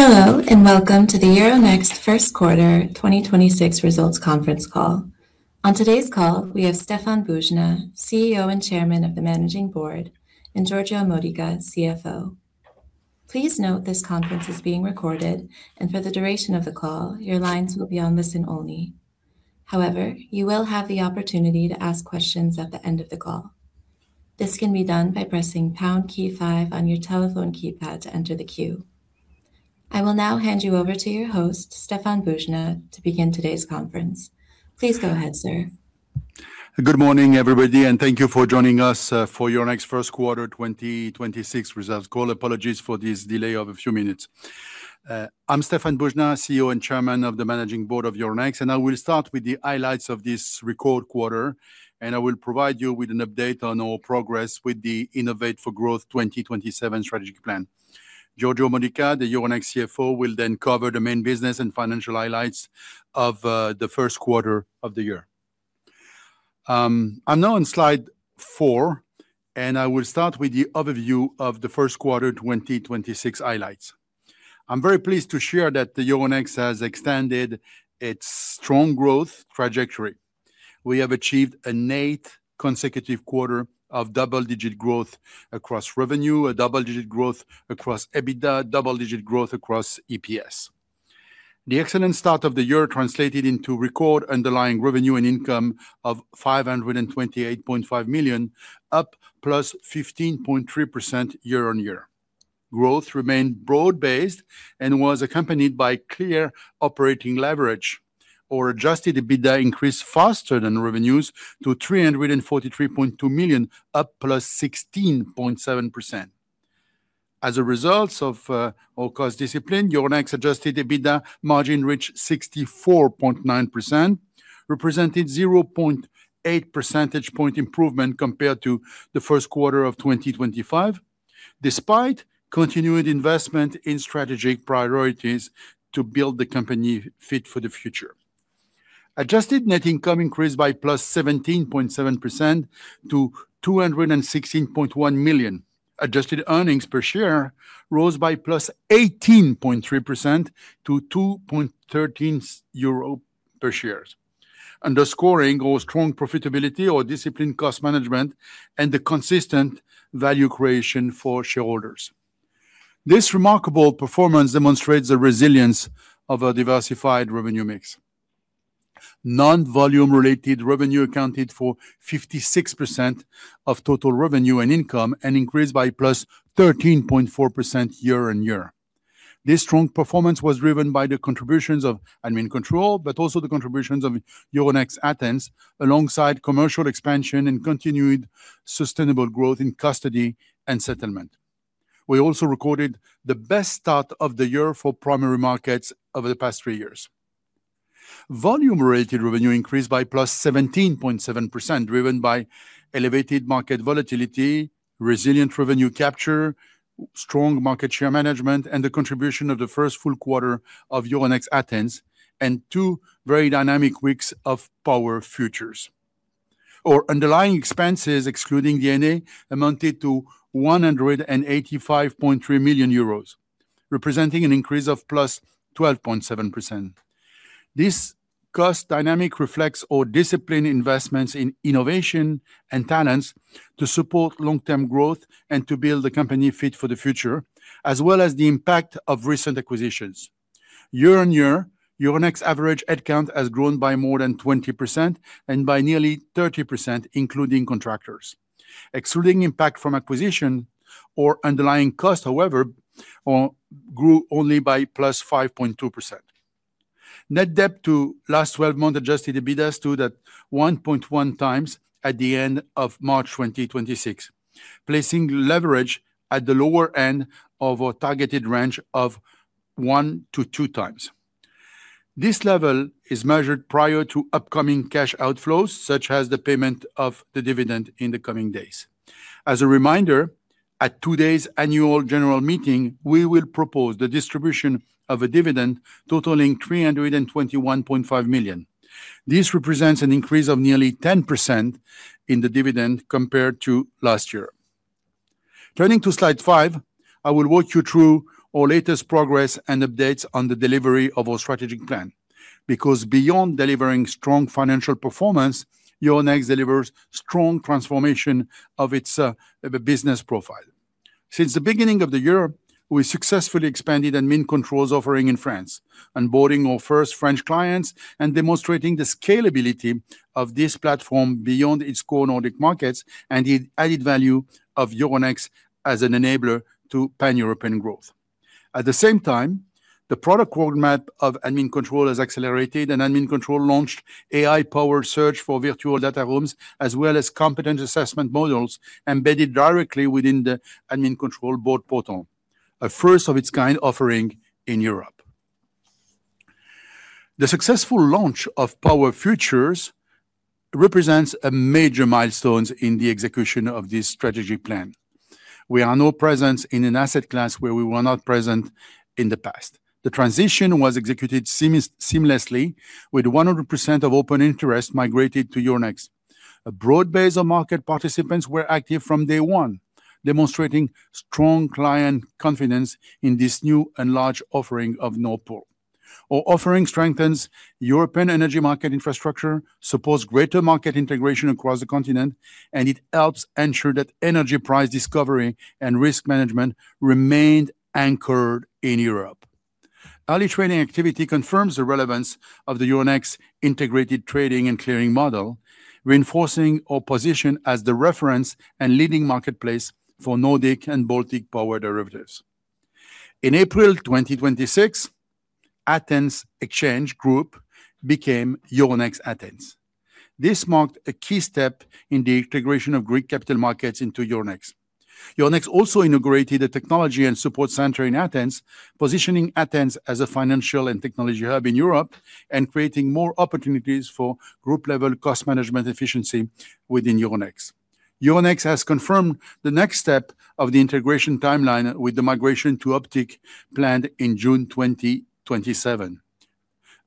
Hello and welcome to the Euronext first quarter 2026 results conference call. On today's call, we have Stéphane Boujnah, CEO and Chairman of the Managing Board, and Giorgio Modica, CFO. Please note this conference is being recorded, and for the duration of the call, your lines will be on listen-only. However, you will have the opportunity to ask questions at the end of the call. This can be done by pressing pound key five on your telephone keypad to enter the queue. I will now hand you over to your host, Stéphane Boujnah, to begin today's conference. Please go ahead, sir. Good morning, everybody, and thank you for joining us for Euronext first quarter 2026 results call. Apologies for this delay of a few minutes. I'm Stéphane Boujnah, CEO and Chairman of the Managing Board of Euronext, and I will start with the highlights of this record quarter, and I will provide you with an update on our progress with the Innovate for Growth 2027 strategic plan. Giorgio Modica, the Euronext CFO, will then cover the main business and financial highlights of the first quarter of the year. I'm now on slide four, and I will start with the overview of the first quarter 2026 highlights. I'm very pleased to share that the Euronext has extended its strong growth trajectory. We have achieved an eight consecutive quarters of double-digit growth across revenue, a double-digit growth across EBITDA, and double-digit growth across EPS. The excellent start of the year translated into record underlying revenue and income of 528.5 million, up +15.3% year-on-year. Growth remained broad-based and was accompanied by clear operating leverage, our adjusted EBITDA increase faster than revenues to 343.2 million, up +16.7%. As a result of our cost discipline, Euronext's adjusted EBITDA margin reached 64.9%, representing 0.8 percentage point improvement compared to the first quarter of 2025, despite continued investment in strategic priorities to build the company fit for the future. Adjusted net income increased by +17.7% to 216.1 million. Adjusted earnings per share rose by +18.3% to 2.13 euro per share, underscoring our strong profitability, our disciplined cost management, and the consistent value creation for shareholders. This remarkable performance demonstrates the resilience of our diversified revenue mix. Non-volume-related revenue accounted for 56% of total revenue and income and increased by +13.4% year-on-year. This strong performance was driven by the contributions of Admincontrol, but also the contributions of Euronext Athens, alongside commercial expansion and continued sustainable growth in custody and settlement. We also recorded the best start of the year for primary markets over the past three years. Volume-related revenue increased by +17.7%, driven by elevated market volatility, resilient revenue capture, strong market share management, and the contribution of the first full quarter of Euronext Athens, and two very dynamic weeks of power futures. Our underlying expenses, excluding D&A, amounted to 185.3 million euros, representing an increase of +12.7%. This cost dynamic reflects our disciplined investments in innovation and talents to support long-term growth and to build the company fit for the future, as well as the impact of recent acquisitions. Year-on-year, Euronext's average headcount has grown by more than 20% and by nearly 30%, including contractors. Excluding impact from acquisition, our underlying cost, however, grew only by +5.2%. Net debt to last 12-month adjusted EBITDA stood at 1.1 times at the end of March 2026, placing leverage at the lower end of our targeted range of 1-2 times. This level is measured prior to upcoming cash outflows, such as the payment of the dividend in the coming days. As a reminder, at today's annual general meeting, we will propose the distribution of a dividend totaling 321.5 million. This represents an increase of nearly 10% in the dividend compared to last year. Turning to slide five, I will walk you through our latest progress and updates on the delivery of our strategic plan. Because beyond delivering strong financial performance, Euronext delivers strong transformation of its business profile. Since the beginning of the year, we successfully expanded Admincontrol's offering in France, onboarding our first French clients, and demonstrating the scalability of this platform beyond its core Nordic markets and the added value of Euronext as an enabler to pan-European growth. At the same time, the product roadmap of Admincontrol has accelerated. Admincontrol launched AI-powered search for virtual data rooms, as well as competence assessment models embedded directly within the Admincontrol board portal, a first-of-its-kind offering in Europe. The successful launch of power futures represents major milestones in the execution of this strategic plan. We are now present in an asset class where we were not present in the past. The transition was executed seamlessly, with 100% of open interest migrated to Euronext. A broad base of market participants were active from day one, demonstrating strong client confidence in this new and large offering of Nord Pool. Our offering strengthens European energy market infrastructure, supports greater market integration across the continent, and it helps ensure that energy price discovery and risk management remain anchored in Europe. Early trading activity confirms the relevance of the Euronext integrated trading and clearing model, reinforcing our position as the reference and leading marketplace for Nordic and Baltic power derivatives. In April 2026, Athens Exchange Group became Euronext Athens. This marked a key step in the integration of Greek capital markets into Euronext. Euronext also inaugurated a technology and support center in Athens, positioning Athens as a financial and technology hub in Europe and creating more opportunities for group-level cost management efficiency within Euronext. Euronext has confirmed the next step of the integration timeline with the migration to Optiq planned in June 2027.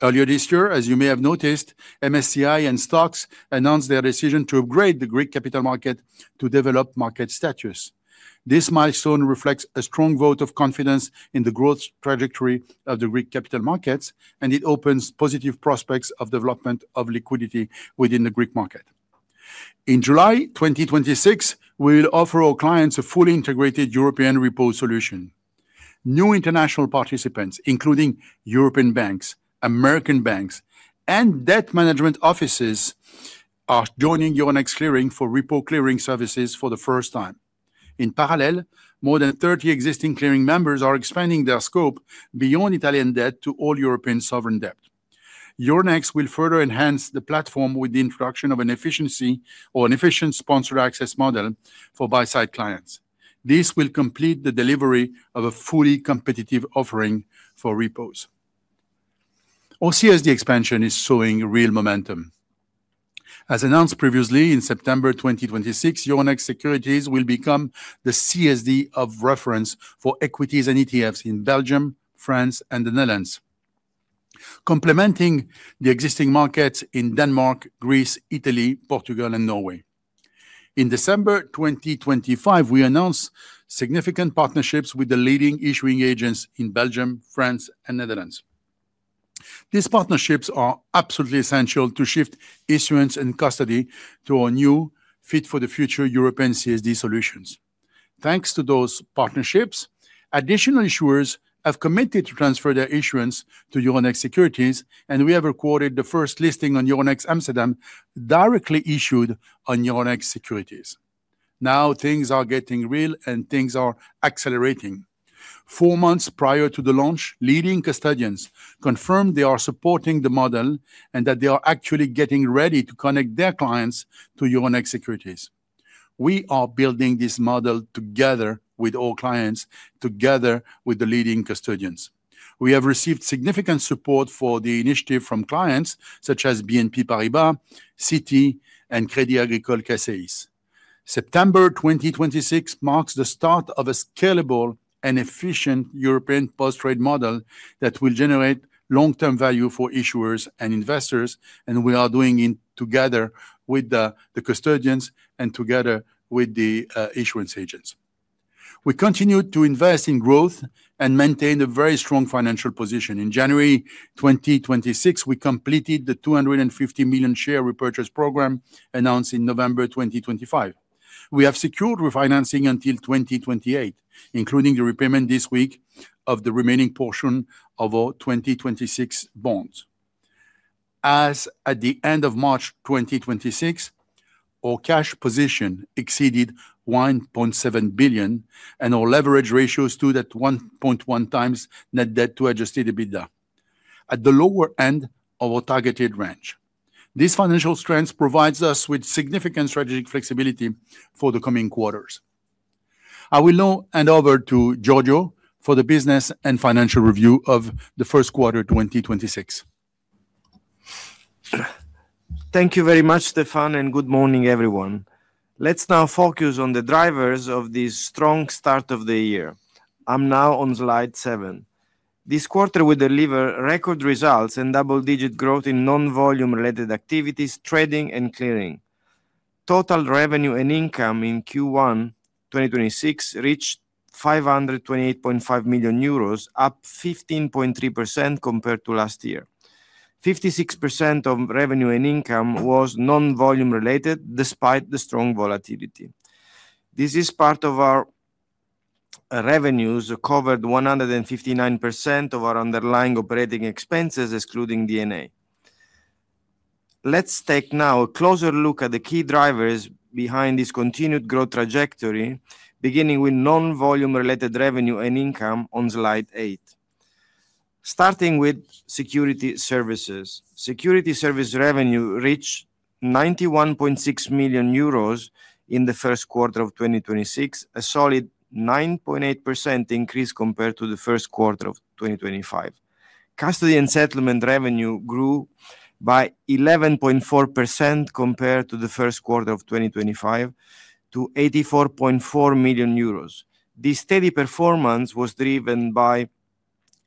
Earlier this year, as you may have noticed, MSCI and STOXX announced their decision to upgrade the Greek capital market to developed market status. This milestone reflects a strong vote of confidence in the growth trajectory of the Greek capital markets, and it opens positive prospects of development of liquidity within the Greek market. In July 2026, we will offer our clients a fully integrated European repo solution. New international participants, including European banks, American banks, and debt management offices, are joining Euronext Clearing for repo clearing services for the first time. In parallel, more than 30 existing clearing members are expanding their scope beyond Italian debt to all European sovereign debt. Euronext will further enhance the platform with the introduction of an efficiency or an efficient sponsored access model for buy-side clients. This will complete the delivery of a fully competitive offering for repos. Our CSD expansion is showing real momentum. As announced previously, in September 2026, Euronext Securities will become the CSD of reference for equities and ETFs in Belgium, France, and the Netherlands, complementing the existing markets in Denmark, Greece, Italy, Portugal, and Norway. In December 2025, we announced significant partnerships with the leading issuing agents in Belgium, France, and the Netherlands. These partnerships are absolutely essential to shift issuance and custody to our new, fit-for-the-future European CSD solutions. Thanks to those partnerships, additional issuers have committed to transfer their issuance to Euronext Securities, and we have recorded the first listing on Euronext Amsterdam directly issued on Euronext Securities. Now things are getting real, and things are accelerating. Four months prior to the launch, leading custodians confirmed they are supporting the model and that they are actually getting ready to connect their clients to Euronext Securities. We are building this model together with our clients, together with the leading custodians. We have received significant support for the initiative from clients such as BNP Paribas, Citi, and Crédit Agricole CACEIS. September 2026 marks the start of a scalable and efficient European post-trade model that will generate long-term value for issuers and investors, and we are doing it together with the custodians and together with the issuance agents. We continue to invest in growth and maintain a very strong financial position. In January 2026, we completed the 250 million share repurchase program announced in November 2025. We have secured refinancing until 2028, including the repayment this week of the remaining portion of our 2026 bonds. At the end of March 2026, our cash position exceeded 1.7 billion, and our leverage ratio stood at 1.1 times net debt to adjusted EBITDA, at the lower end of our targeted range. This financial strength provides us with significant strategic flexibility for the coming quarters. I will now hand over to Giorgio for the business and financial review of the first quarter 2026. Thank you very much, Stéphane, and good morning, everyone. Let's now focus on the drivers of this strong start of the year. I'm now on slide seven. This quarter will deliver record results and double-digit growth in non-volume-related activities, trading, and clearing. Total revenue and income in Q1 2026 reached 528.5 million euros, up 15.3% compared to last year. 56% of revenue and income was non-volume-related despite the strong volatility. This is part of our revenues covered 159% of our underlying operating expenses, excluding D&A. Let's take now a closer look at the key drivers behind this continued growth trajectory, beginning with non-volume-related revenue and income on slide eight, starting with security services. Security service revenue reached 91.6 million euros in the first quarter of 2026, a solid 9.8% increase compared to the first quarter of 2025. Custody and settlement revenue grew by 11.4% compared to the first quarter of 2025 to 84.4 million euros. This steady performance was driven by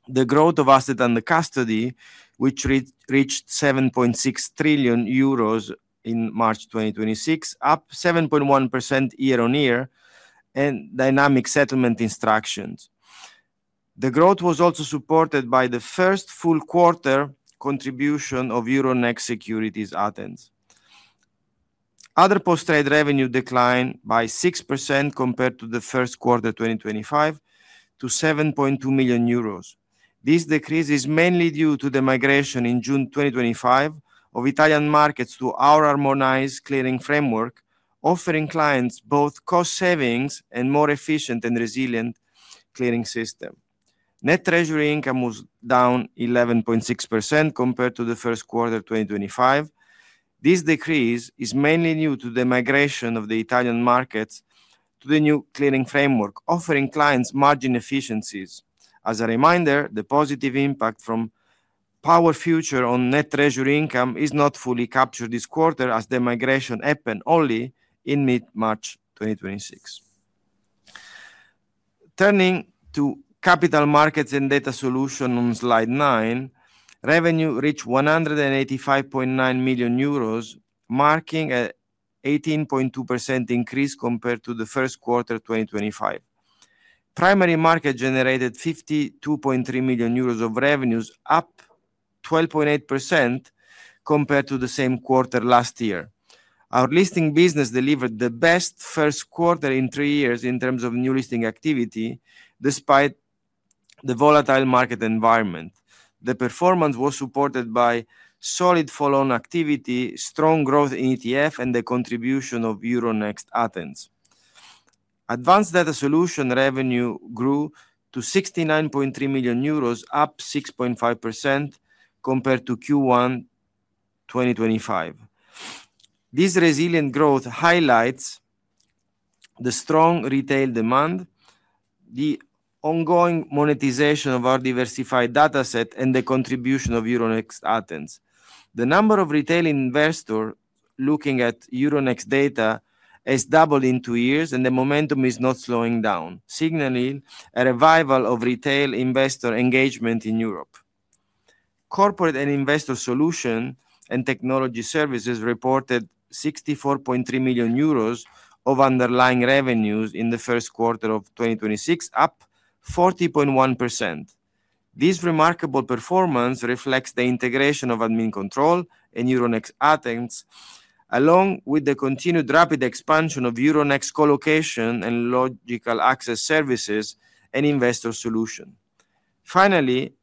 the growth of assets under custody, which reached 7.6 trillion euros in March 2026, up 7.1% year-on-year, and dynamic settlement instructions. The growth was also supported by the first full quarter contribution of Euronext Securities Athens. Other post-trade revenue declined by 6% compared to the first quarter 2025 to 7.2 million euros. This decrease is mainly due to the migration in June 2025 of Italian markets to our harmonized clearing framework, offering clients both cost savings and a more efficient and resilient clearing system. Net treasury income was down 11.6% compared to the first quarter 2025. This decrease is mainly due to the migration of the Italian markets to the new clearing framework, offering clients margin efficiencies. As a reminder, the positive impact from power futures on net treasury income is not fully captured this quarter, as the migration happened only in mid-March 2026. Turning to capital markets and data solutions on slide nine, revenue reached 185.9 million euros, marking an 18.2% increase compared to the first quarter 2025. Primary markets generated 52.3 million euros of revenues, up 12.8% compared to the same quarter last year. Our listing business delivered the best first quarter in three years in terms of new listing activity, despite the volatile market environment. The performance was supported by solid follow-on activity, strong growth in ETFs, and the contribution of Euronext Athens. Advanced data solution revenue grew to 69.3 million euros, up 6.5% compared to Q1 2025. This resilient growth highlights the strong retail demand, the ongoing monetization of our diversified dataset, and the contribution of Euronext Athens. The number of retail investors looking at Euronext data has doubled in two years. The momentum is not slowing down, signaling a revival of retail investor engagement in Europe. Corporate and investor solutions and technology services reported 64.3 million euros of underlying revenues in the first quarter of 2026, up 40.1%. This remarkable performance reflects the integration of Admincontrol and Euronext Athens, along with the continued rapid expansion of Euronext colocation and logical access services and investor solutions.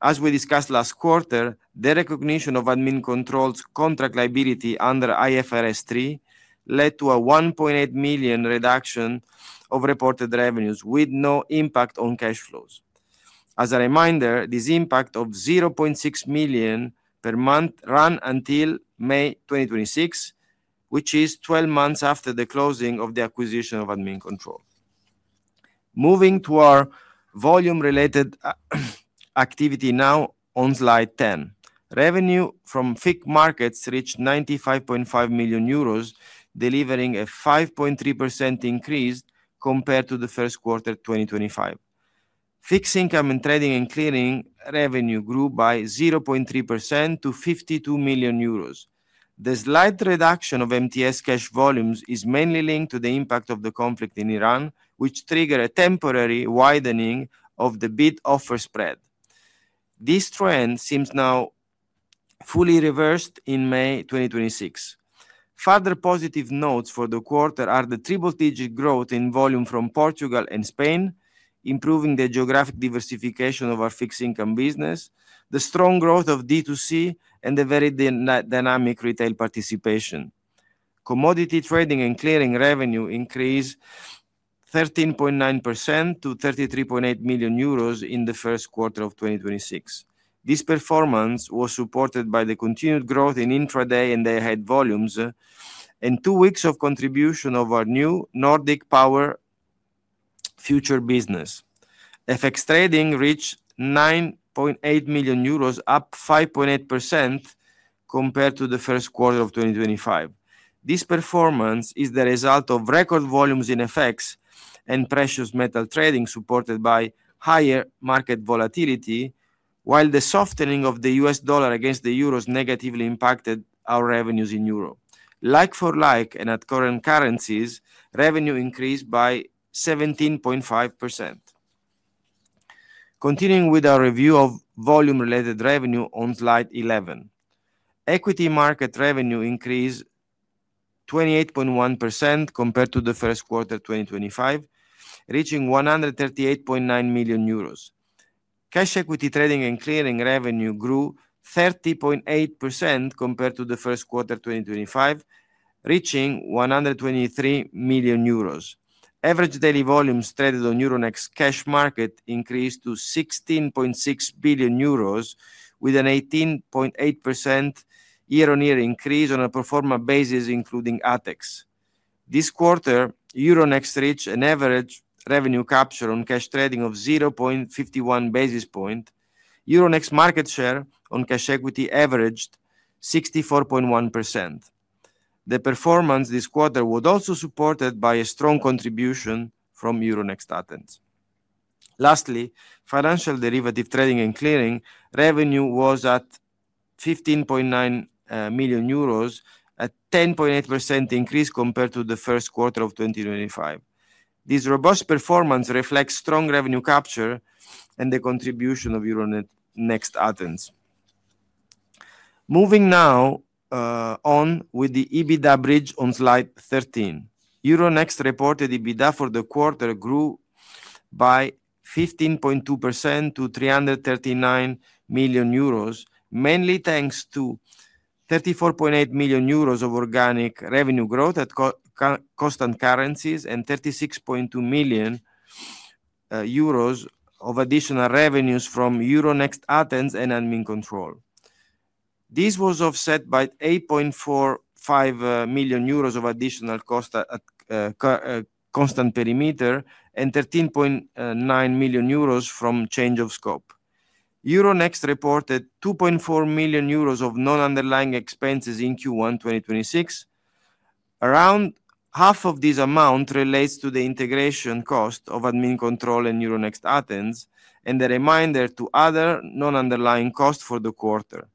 As we discussed last quarter, the recognition of Admincontrol's contract liability under IFRS 3 led to a 1.8 million reduction of reported revenues, with no impact on cash flows. As a reminder, this impact of 0.6 million per month ran until May 2026, which is 12 months after the closing of the acquisition of Admincontrol. Moving to our volume-related activity now on slide 10, revenue from FIC markets reached 95.5 million euros, delivering a 5.3% increase compared to the first quarter 2025. Fixed income and trading and clearing revenue grew by 0.3% to 52 million euros. The slight reduction of MTS Cash volumes is mainly linked to the impact of the conflict in Iran, which triggered a temporary widening of the bid-offer spread. This trend seems now fully reversed in May 2026. Further positive notes for the quarter are the triple-digit growth in volume from Portugal and Spain, improving the geographic diversification of our fixed income business, the strong growth of D2C, and the very dynamic retail participation. Commodity trading and clearing revenue increased 13.9% to 33.8 million euros in the first quarter of 2026. This performance was supported by the continued growth in intraday and day-ahead volumes and two weeks of contribution of our new Nordic power futures business. FX trading reached 9.8 million euros, up 5.8% compared to the first quarter of 2025. This performance is the result of record volumes in FX and precious metal trading supported by higher market volatility, while the softening of the U.S. dollar against the euros negatively impacted our revenues in euro. Like for like and at current currencies, revenue increased by 17.5%. Continuing with our review of volume-related revenue on slide 11, equity market revenue increased 28.1% compared to the first quarter 2025, reaching 138.9 million euros. Cash equity trading and clearing revenue grew 30.8% compared to the first quarter 2025, reaching 123 million euros. Average daily volumes traded on Euronext cash market increased to 16.6 billion euros, with an 18.8% year-on-year increase on a pro forma basis, including ATHEX. This quarter, Euronext reached an average revenue capture on cash trading of 0.51 basis points. Euronext market share on cash equity averaged 64.1%. The performance this quarter was also supported by a strong contribution from Euronext Athens. Lastly, financial derivative trading and clearing revenue was at 15.9 million euros, a 10.8% increase compared to the first quarter of 2025. This robust performance reflects strong revenue capture and the contribution of Euronext Athens. Moving now on with the EBITDA bridge on slide 13, Euronext reported EBITDA for the quarter grew by 15.2% to 339 million euros, mainly thanks to 34.8 million euros of organic revenue growth at constant currencies and 36.2 million euros of additional revenues from Euronext Athens and Admincontrol. This was offset by 8.45 million euros of additional costs at constant perimeter and 13.9 million euros from change of scope. Euronext reported 2.4 million euros of non-underlying expenses in Q1 2026. Around half of this amount relates to the integration cost of Admincontrol and Euronext Athens and the reminder to other non-underlying costs for the quarter.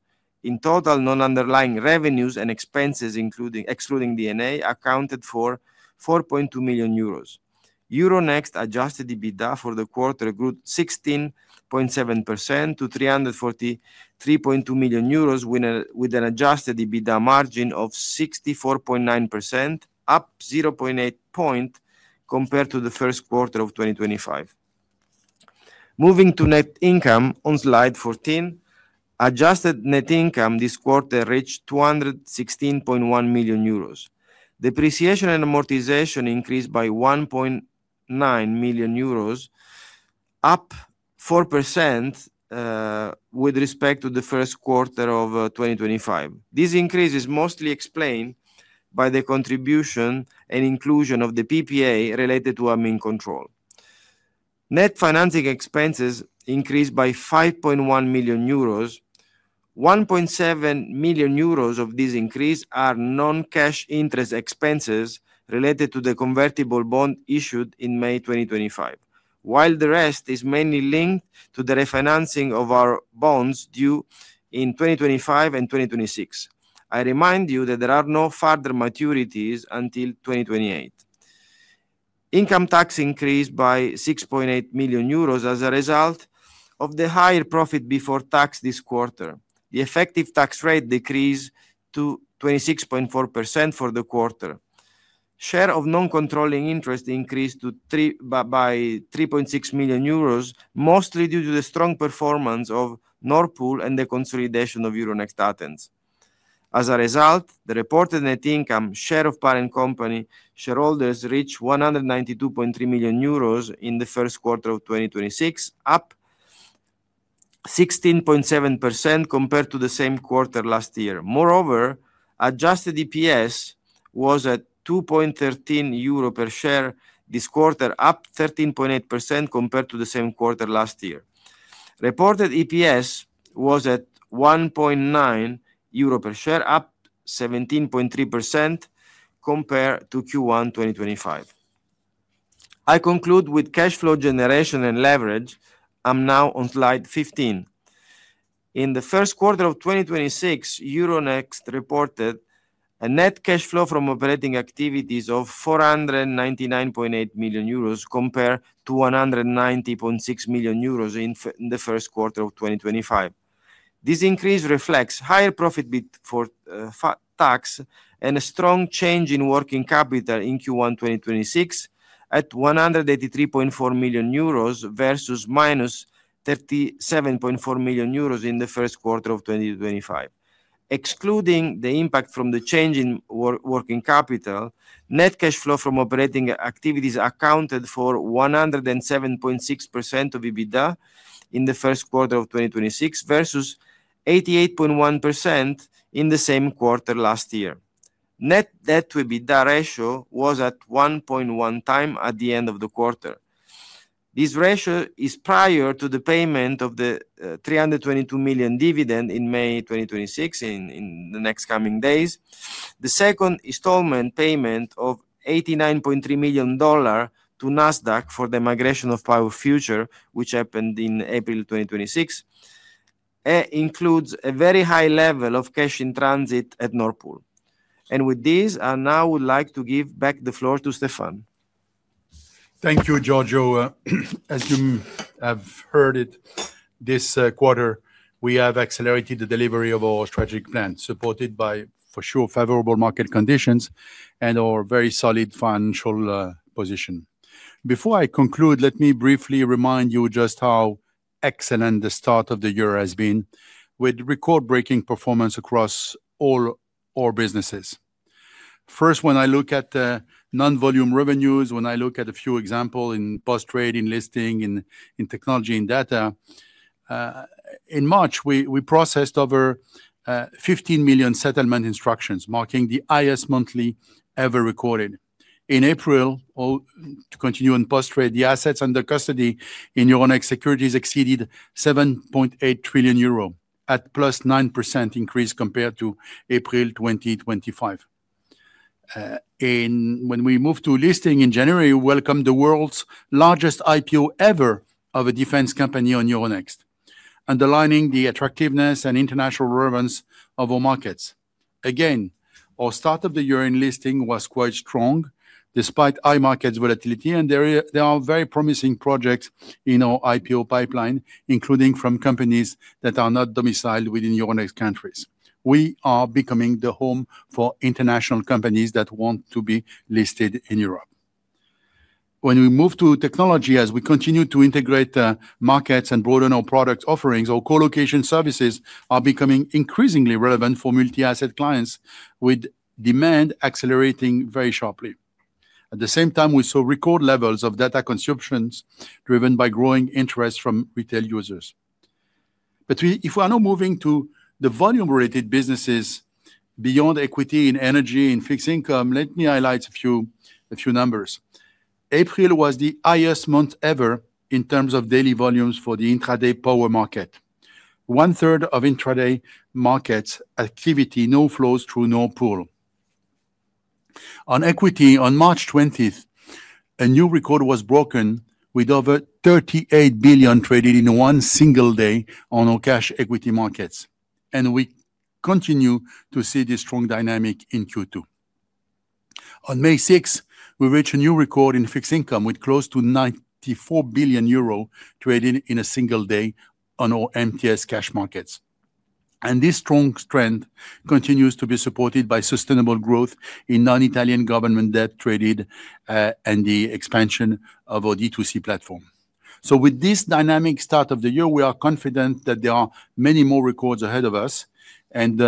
In total, non-underlying revenues and expenses, including excluding D&A, accounted for 4.2 million euros. Euronext adjusted EBITDA for the quarter grew 16.7% to 343.2 million euros, with an adjusted EBITDA margin of 64.9%, up 0.8 points compared to the first quarter of 2025. Moving to net income on slide 14, adjusted net income this quarter reached 216.1 million euros. Depreciation and amortization increased by 1.9 million euros, up 4% with respect to the first quarter of 2025. This increase is mostly explained by the contribution and inclusion of the PPA related to Admincontrol. Net financing expenses increased by 5.1 million euros. 1.7 million euros of this increase are non-cash interest expenses related to the convertible bond issued in May 2025, while the rest is mainly linked to the refinancing of our bonds due in 2025 and 2026. I remind you that there are no further maturities until 2028. Income tax increased by 6.8 million euros as a result of the higher profit before tax this quarter. The effective tax rate decreased to 26.4% for the quarter. Share of non-controlling interest increased to 3.6 million euros, mostly due to the strong performance of Nord Pool and the consolidation of Euronext Athens. As a result, the reported net income share of parent company shareholders reached 192.3 million euros in the first quarter of 2026, up 16.7% compared to the same quarter last year. Moreover, adjusted EPS was at 2.13 euro per share this quarter, up 13.8% compared to the same quarter last year. Reported EPS was at 1.9 euro per share, up 17.3% compared to Q1 2025. I conclude with cash flow generation and leverage. I'm now on slide 15. In the first quarter of 2026, Euronext reported a net cash flow from operating activities of 499.8 million euros compared to 190.6 million euros in the first quarter of 2025. This increase reflects higher profit before tax and a strong change in working capital in Q1 2026 at 183.4 million euros versus 37.4 million euros in the first quarter of 2025. Excluding the impact from the change in working capital, net cash flow from operating activities accounted for 107.6% of EBITDA in the first quarter of 2026 versus 88.1% in the same quarter last year. Net debt to EBITDA ratio was at 1.1 times at the end of the quarter. This ratio is prior to the payment of the 322 million dividend in May 2026 in the next coming days. The second installment payment of EUR 89.3 million to Nasdaq for the migration of power futures, which happened in April 2026, includes a very high level of cash in transit at Nord Pool. With this, I now would like to give back the floor to Stéphane. Thank you, Giorgio. As you have heard it, this quarter we have accelerated the delivery of our strategic plans, supported by for sure favorable market conditions and our very solid financial position. Before I conclude, let me briefly remind you just how excellent the start of the year has been with record-breaking performance across all our businesses. First, when I look at non-volume revenues, when I look at a few examples in post-trading, listing, in technology, in data, in March we processed over 15 million settlement instructions, marking the highest monthly ever recorded. In April, to continue on post-trade, the assets under custody in Euronext Securities exceeded 7.8 trillion euro, a +9% increase compared to April 2025. When we move to listing in January, we welcomed the world's largest IPO ever of a defense company on Euronext, underlining the attractiveness and international relevance of our markets. Our start of the year in listing was quite strong despite high market volatility, and there are very promising projects in our IPO pipeline, including from companies that are not domiciled within Euronext countries. We are becoming the home for international companies that want to be listed in Europe. When we move to technology, as we continue to integrate markets and broaden our product offerings, our collocation services are becoming increasingly relevant for multi-asset clients, with demand accelerating very sharply. At the same time, we saw record levels of data consumption driven by growing interest from retail users. If we are now moving to the volume-related businesses beyond equity in energy and fixed income, let me highlight a few numbers. April was the highest month ever in terms of daily volumes for the intraday power market, 1/3 of intraday market activity, now flows through Nord Pool. On equity, on March 20th, a new record was broken with over 38 billion traded in one single day on our cash equity markets. We continue to see this strong dynamic in Q2. On May 6th, we reached a new record in fixed income with close to 94 billion euro traded in one single day on our MTS Cash markets. This strong trend continues to be supported by sustainable growth in non-Italian government debt traded and the expansion of our D2C platform. With this dynamic start of the year, we are confident that there are many more records ahead of us, and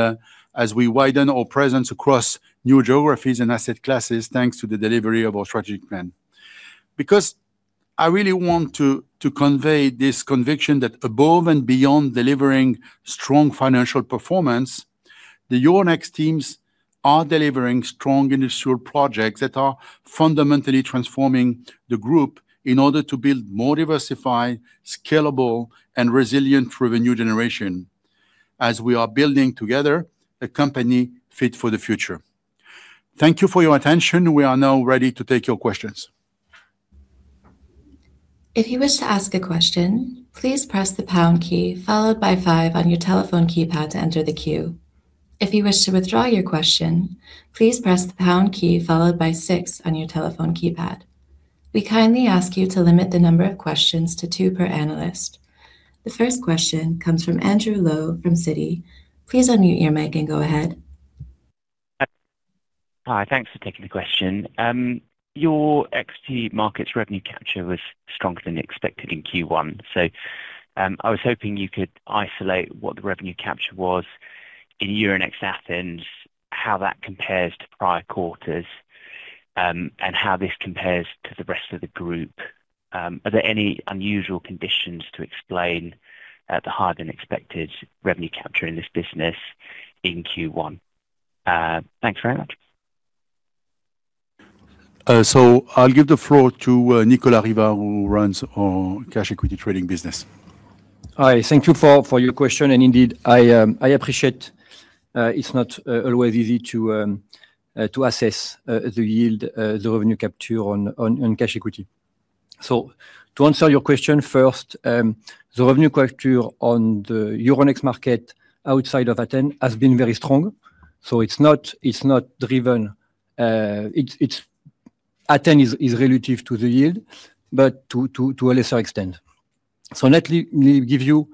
as we widen our presence across new geographies and asset classes, thanks to the delivery of our strategic plan. I really want to convey this conviction that above and beyond delivering strong financial performance, the Euronext teams are delivering strong industrial projects that are fundamentally transforming the group in order to build more diversified, scalable, and resilient revenue generation as we are building together a company fit for the future. Thank you for your attention. We are now ready to take your questions. At this time, we will proceed to take your questions. If you wish to ask a question, please press the pound key followed by five on your telephone keypad to enter the queue. If you wish to withdraw your question, please press the pound key followed by six on your telephone keypad. We kindly ask you to limit the number of questions to two per analyst. The first question comes from Andrew Lowe from Citi. Please unmute your mic and go ahead. Hi. Thanks for taking the question. Your equity markets revenue capture was stronger than expected in Q1. I was hoping you could isolate what the revenue capture was in Euronext Athens, how that compares to prior quarters, and how this compares to the rest of the group. Are there any unusual conditions to explain the higher-than-expected revenue capture in this business in Q1? Thanks very much. I'll give the floor to Nicolas Rivard, who runs our cash equity trading business. Hi. Thank you for your question. Indeed, I appreciate it's not always easy to assess the yield, the revenue capture on cash equity. To answer your question first, the revenue capture on the Euronext market outside of Athens has been very strong. It's not driven Athens is relative to the yield, but to a lesser extent. Let me give you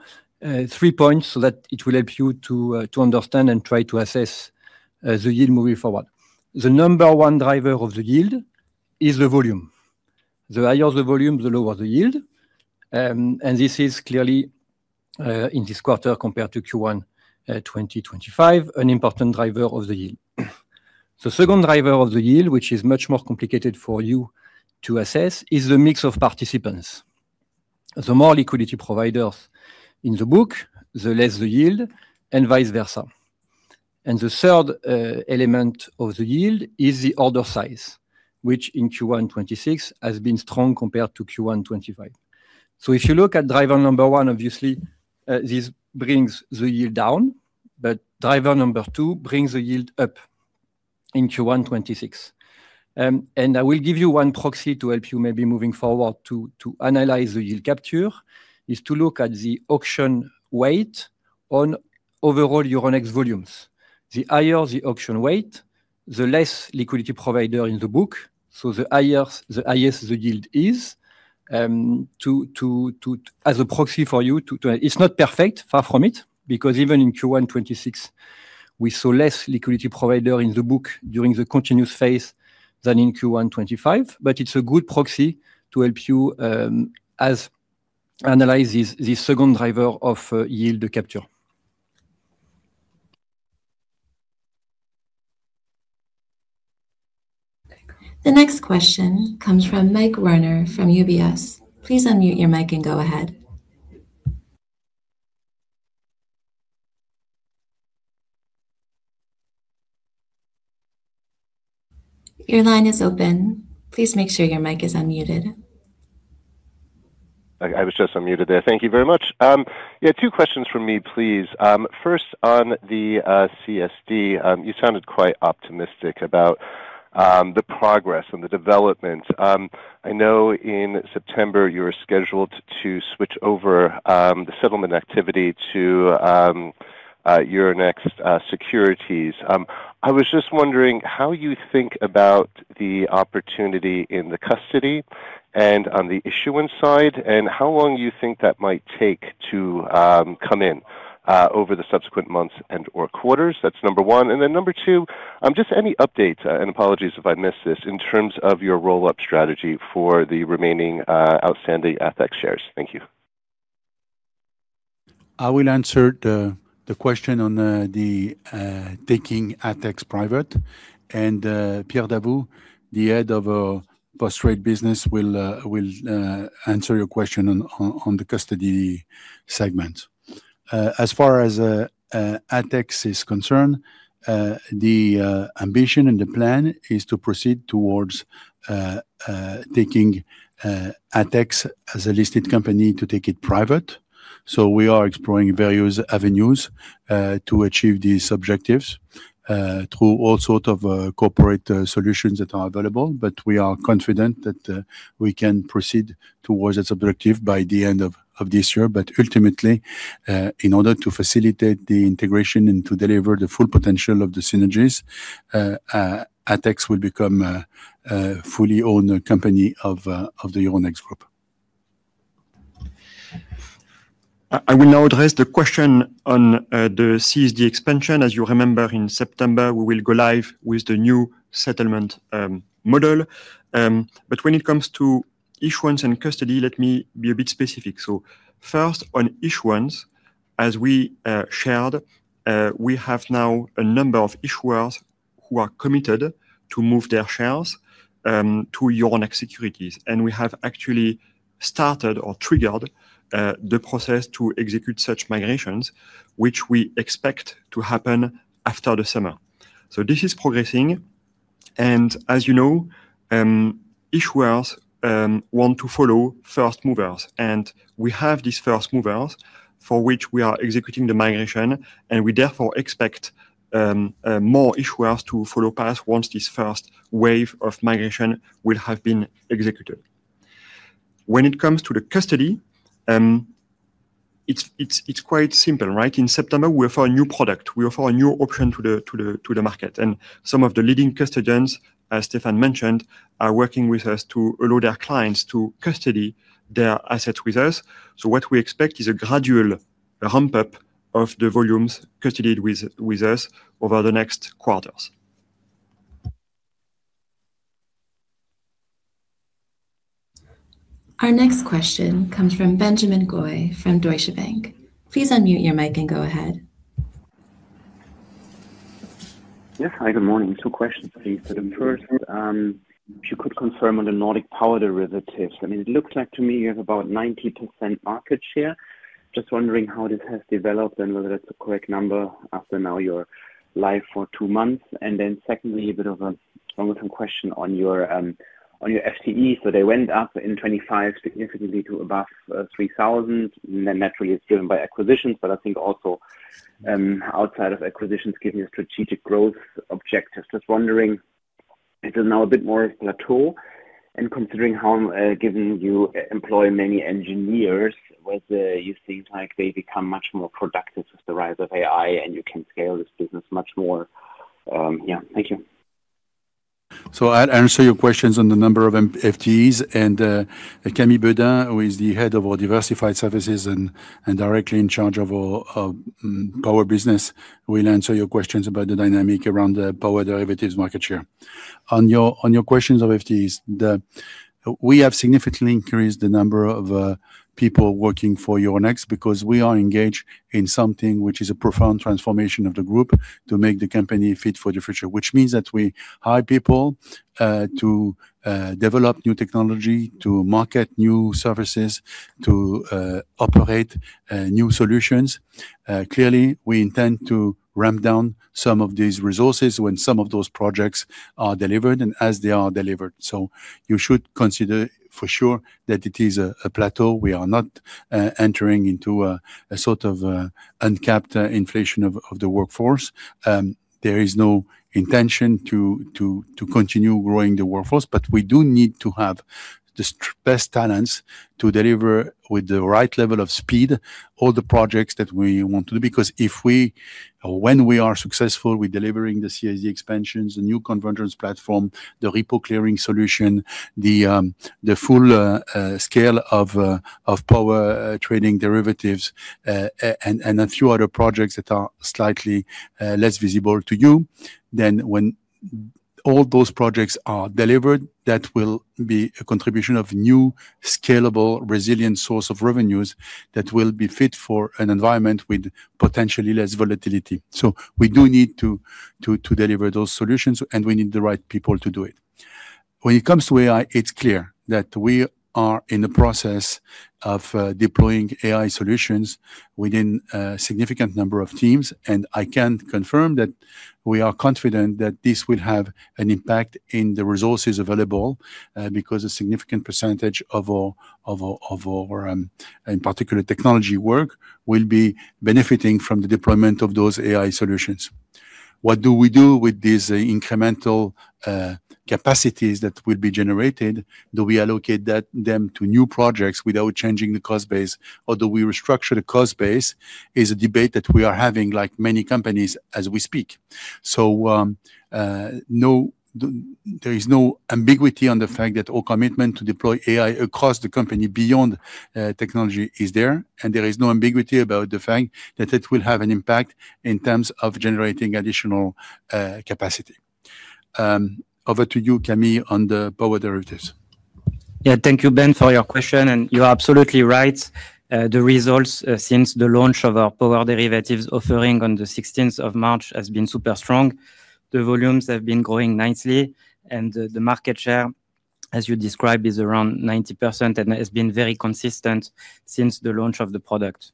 three points so that it will help you to understand and try to assess the yield moving forward. The number one driver of the yield is the volume. The higher the volume, the lower the yield. This is clearly, in this quarter compared to Q1 2025, an important driver of the yield. The second driver of the yield, which is much more complicated for you to assess, is the mix of participants. The more liquidity providers in the book, the less the yield, and vice versa. The third element of the yield is the order size, which in Q1 2026 has been strong compared to Q1 2025. If you look at driver number one, obviously, this brings the yield down, but driver number two brings the yield up in Q1 2026. I will give you 1 proxy to help you maybe moving forward to analyze the yield capture is to look at the auction weight on overall Euronext volumes. The higher the auction weight, the less liquidity provider in the book. The highest the yield is as a proxy for you to it's not perfect, far from it, because even in Q1 2026, we saw less liquidity provider in the book during the continuous phase than in Q1 2025. It's a good proxy to help you analyze this second driver of yield capture. The next question comes from Michael Werner from UBS. Please unmute your mic and go ahead. Your line is open. Please make sure your mic is unmuted. I was just unmuted there. Thank you very much. Two questions from me, please. On the CSD, you sounded quite optimistic about the progress and the development. I know in September, you were scheduled to switch over the settlement activity to Euronext Securities. I was just wondering how you think about the opportunity in the custody and on the issuance side, and how long you think that might take to come in over the subsequent months and/or quarters. That's number one. Number two, just any updates and apologies if I missed this in terms of your roll-up strategy for the remaining outstanding ATHEX shares. Thank you. I will answer the question on the taking ATHEX private. Pierre Davoust, the head of our post-trade business, will answer your question on the custody segment. As far as ATHEX is concerned, the ambition and the plan is to proceed towards taking ATHEX as a listed company to take it private. We are exploring various avenues to achieve these objectives through all sorts of corporate solutions that are available. We are confident that we can proceed towards that objective by the end of this year. Ultimately, in order to facilitate the integration and to deliver the full potential of the synergies, ATHEX will become a fully owned company of the Euronext group. I will now address the question on the CSD expansion. As you remember, in September, we will go live with the new settlement model. When it comes to issuance and custody, let me be a bit specific. First, on issuance, as we shared, we have now a number of issuers who are committed to move their shares to Euronext Securities. We have actually started or triggered the process to execute such migrations, which we expect to happen after the summer. This is progressing. As you know, issuers want to follow first movers. We have these first movers for which we are executing the migration. We therefore expect more issuers to follow us once this first wave of migration will have been executed. When it comes to the custody, it's quite simple, right? In September, we offer a new product. We offer a new option to the market. Some of the leading custodians, as Stéphane mentioned, are working with us to allow their clients to custody their assets with us. What we expect is a gradual ramp-up of the volumes custodied with us over the next quarters. Our next question comes from Benjamin Goy from Deutsche Bank. Please unmute your mic and go ahead. Yes. Hi. Good morning. Two questions, please. The first, if you could confirm on the Nordic power derivatives. I mean, it looks like to me you have about 90% market share. Just wondering how this has developed and whether that's the correct number after now you're live for two months. Secondly, a bit of a longer question on your FTE. They went up in 2025 significantly to above 3,000. Naturally, it's driven by acquisitions. I think also outside of acquisitions giving a strategic growth objective. Just wondering, it is now a bit more of a plateau. Considering how, given you employ many engineers, whether you think they become much more productive with the rise of AI and you can scale this business much more? Yeah. Thank you. I'll answer your questions on the number of FTEs. Camille Beudin, who is the head of our diversified services and directly in charge of our power business, will answer your questions about the dynamic around the power derivatives market share. On your questions of FTEs, we have significantly increased the number of people working for Euronext because we are engaged in something which is a profound transformation of the group to make the company fit for the future, which means that we hire people to develop new technology, to market new services, to operate new solutions. Clearly, we intend to ramp down some of these resources when some of those projects are delivered and as they are delivered. You should consider for sure that it is a plateau. We are not entering into a sort of uncapped inflation of the workforce. There is no intention to continue growing the workforce. We do need to have the best talents to deliver with the right level of speed all the projects that we want to do. When we are successful with delivering the CSD expansions, the new convergence platform, the repo clearing solution, the full scale of power trading derivatives, and a few other projects that are slightly less visible to you, then when all those projects are delivered, that will be a contribution of new, scalable, resilient source of revenues that will be fit for an environment with potentially less volatility. We do need to deliver those solutions, and we need the right people to do it. When it comes to AI, it's clear that we are in the process of deploying AI solutions within a significant number of teams. I can confirm that we are confident that this will have an impact in the resources available because a significant percentage of our, in particular, technology work will be benefiting from the deployment of those AI solutions. What do we do with these incremental capacities that will be generated? Do we allocate them to new projects without changing the cost base, or do we restructure the cost base? Is a debate that we are having like many companies as we speak. There is no ambiguity on the fact that our commitment to deploy AI across the company beyond technology is there. There is no ambiguity about the fact that it will have an impact in terms of generating additional capacity. Over to you, Camille, on the power derivatives. Yeah. Thank you, Ben, for your question. You're absolutely right. The results since the launch of our power derivatives offering on the 16th of March have been super strong. The volumes have been growing nicely. The market share, as you described, is around 90% and has been very consistent since the launch of the product.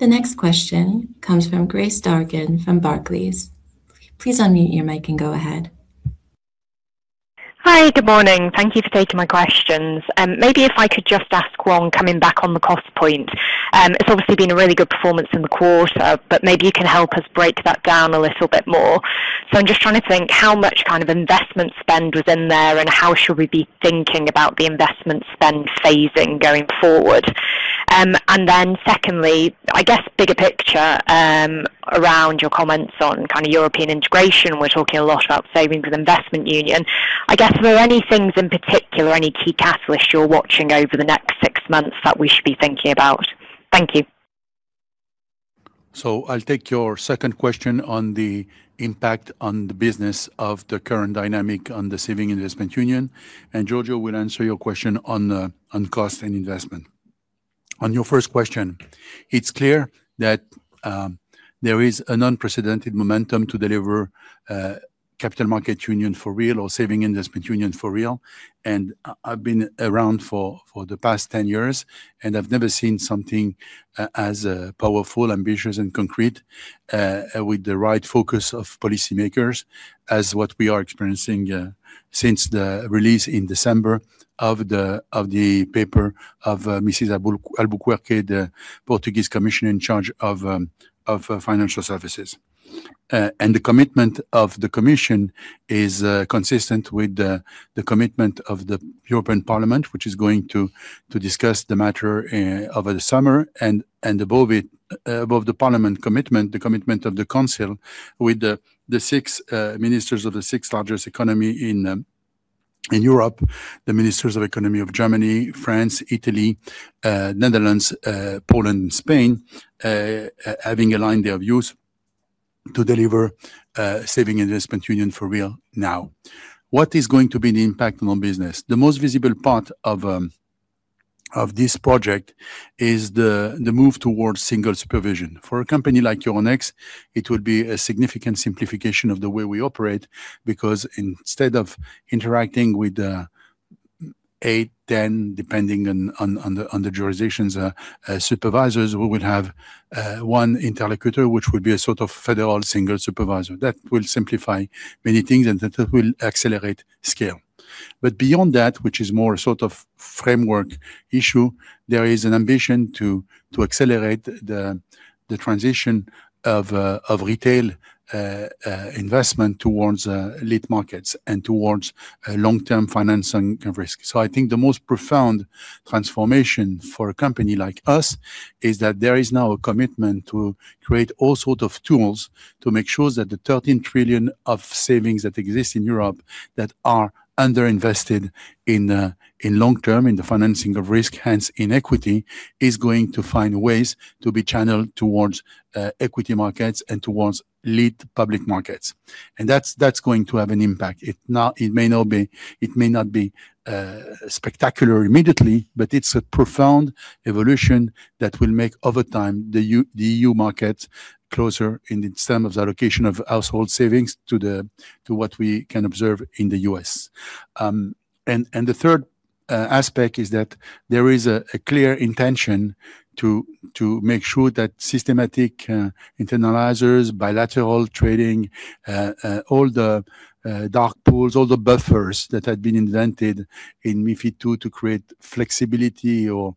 The next question comes from Grace Dargan from Barclays. Please unmute your mic and go ahead. Hi. Good morning. Thank you for taking my questions. If I could just ask one coming back on the cost point. It's obviously been a really good performance in the quarter, but maybe you can help us break that down a little bit more. I'm just trying to think how much kind of investment spend was in there and how should we be thinking about the investment spend phasing going forward. Secondly, I guess bigger picture around your comments on kind of European integration. We're talking a lot about Savings and Investment Union. I guess, were there any things in particular, any key catalysts you're watching over the next six months that we should be thinking about? Thank you. I'll take your second question on the impact on the business of the current dynamic on the Savings and Investment Union. Giorgio will answer your question on cost and investment. On your first question, it's clear that there is an unprecedented momentum to deliver Capital Markets Union for real or Savings and Investment Union for real. I've been around for the past 10 years, and I've never seen something as powerful, ambitious, and concrete with the right focus of policymakers as what we are experiencing since the release in December of the paper of Mrs. Albuquerque, the Portuguese Commissioner in charge of financial services. The commitment of the European Commissioner is consistent with the commitment of the European Parliament, which is going to discuss the matter over the summer. Above the Parliament commitment, the commitment of the Council with the six ministers of the six largest economies in Europe, the ministers of economy of Germany, France, Italy, Netherlands, Poland, and Spain, having aligned their views to deliver Savings and Investment Union for real now. What is going to be the impact on our business? The most visible part of this project is the move towards single supervision. For a company like Euronext, it will be a significant simplification of the way we operate because instead of interacting with eight, 10, depending on the jurisdiction's supervisors, we will have one interlocutor, which will be a sort of federal single supervisor. That will simplify many things, and that will accelerate scale. Beyond that, which is more a sort of framework issue, there is an ambition to accelerate the transition of retail investment towards lit markets and towards long-term financing risk. I think the most profound transformation for a company like us is that there is now a commitment to create all sorts of tools to make sure that the 13 trillion of savings that exist in Europe that are underinvested in long-term, in the financing of risk, hence in equity, is going to find ways to be channeled towards equity markets and towards lit public markets. That's going to have an impact. It may not be spectacular immediately, but it's a profound evolution that will make, over time, the EU market closer in terms of the allocation of household savings to what we can observe in the U.S. The third aspect is that there is a clear intention to make sure that systematic internalizers, bilateral trading, all the dark pools, all the buffers that had been invented in MiFID II to create flexibility or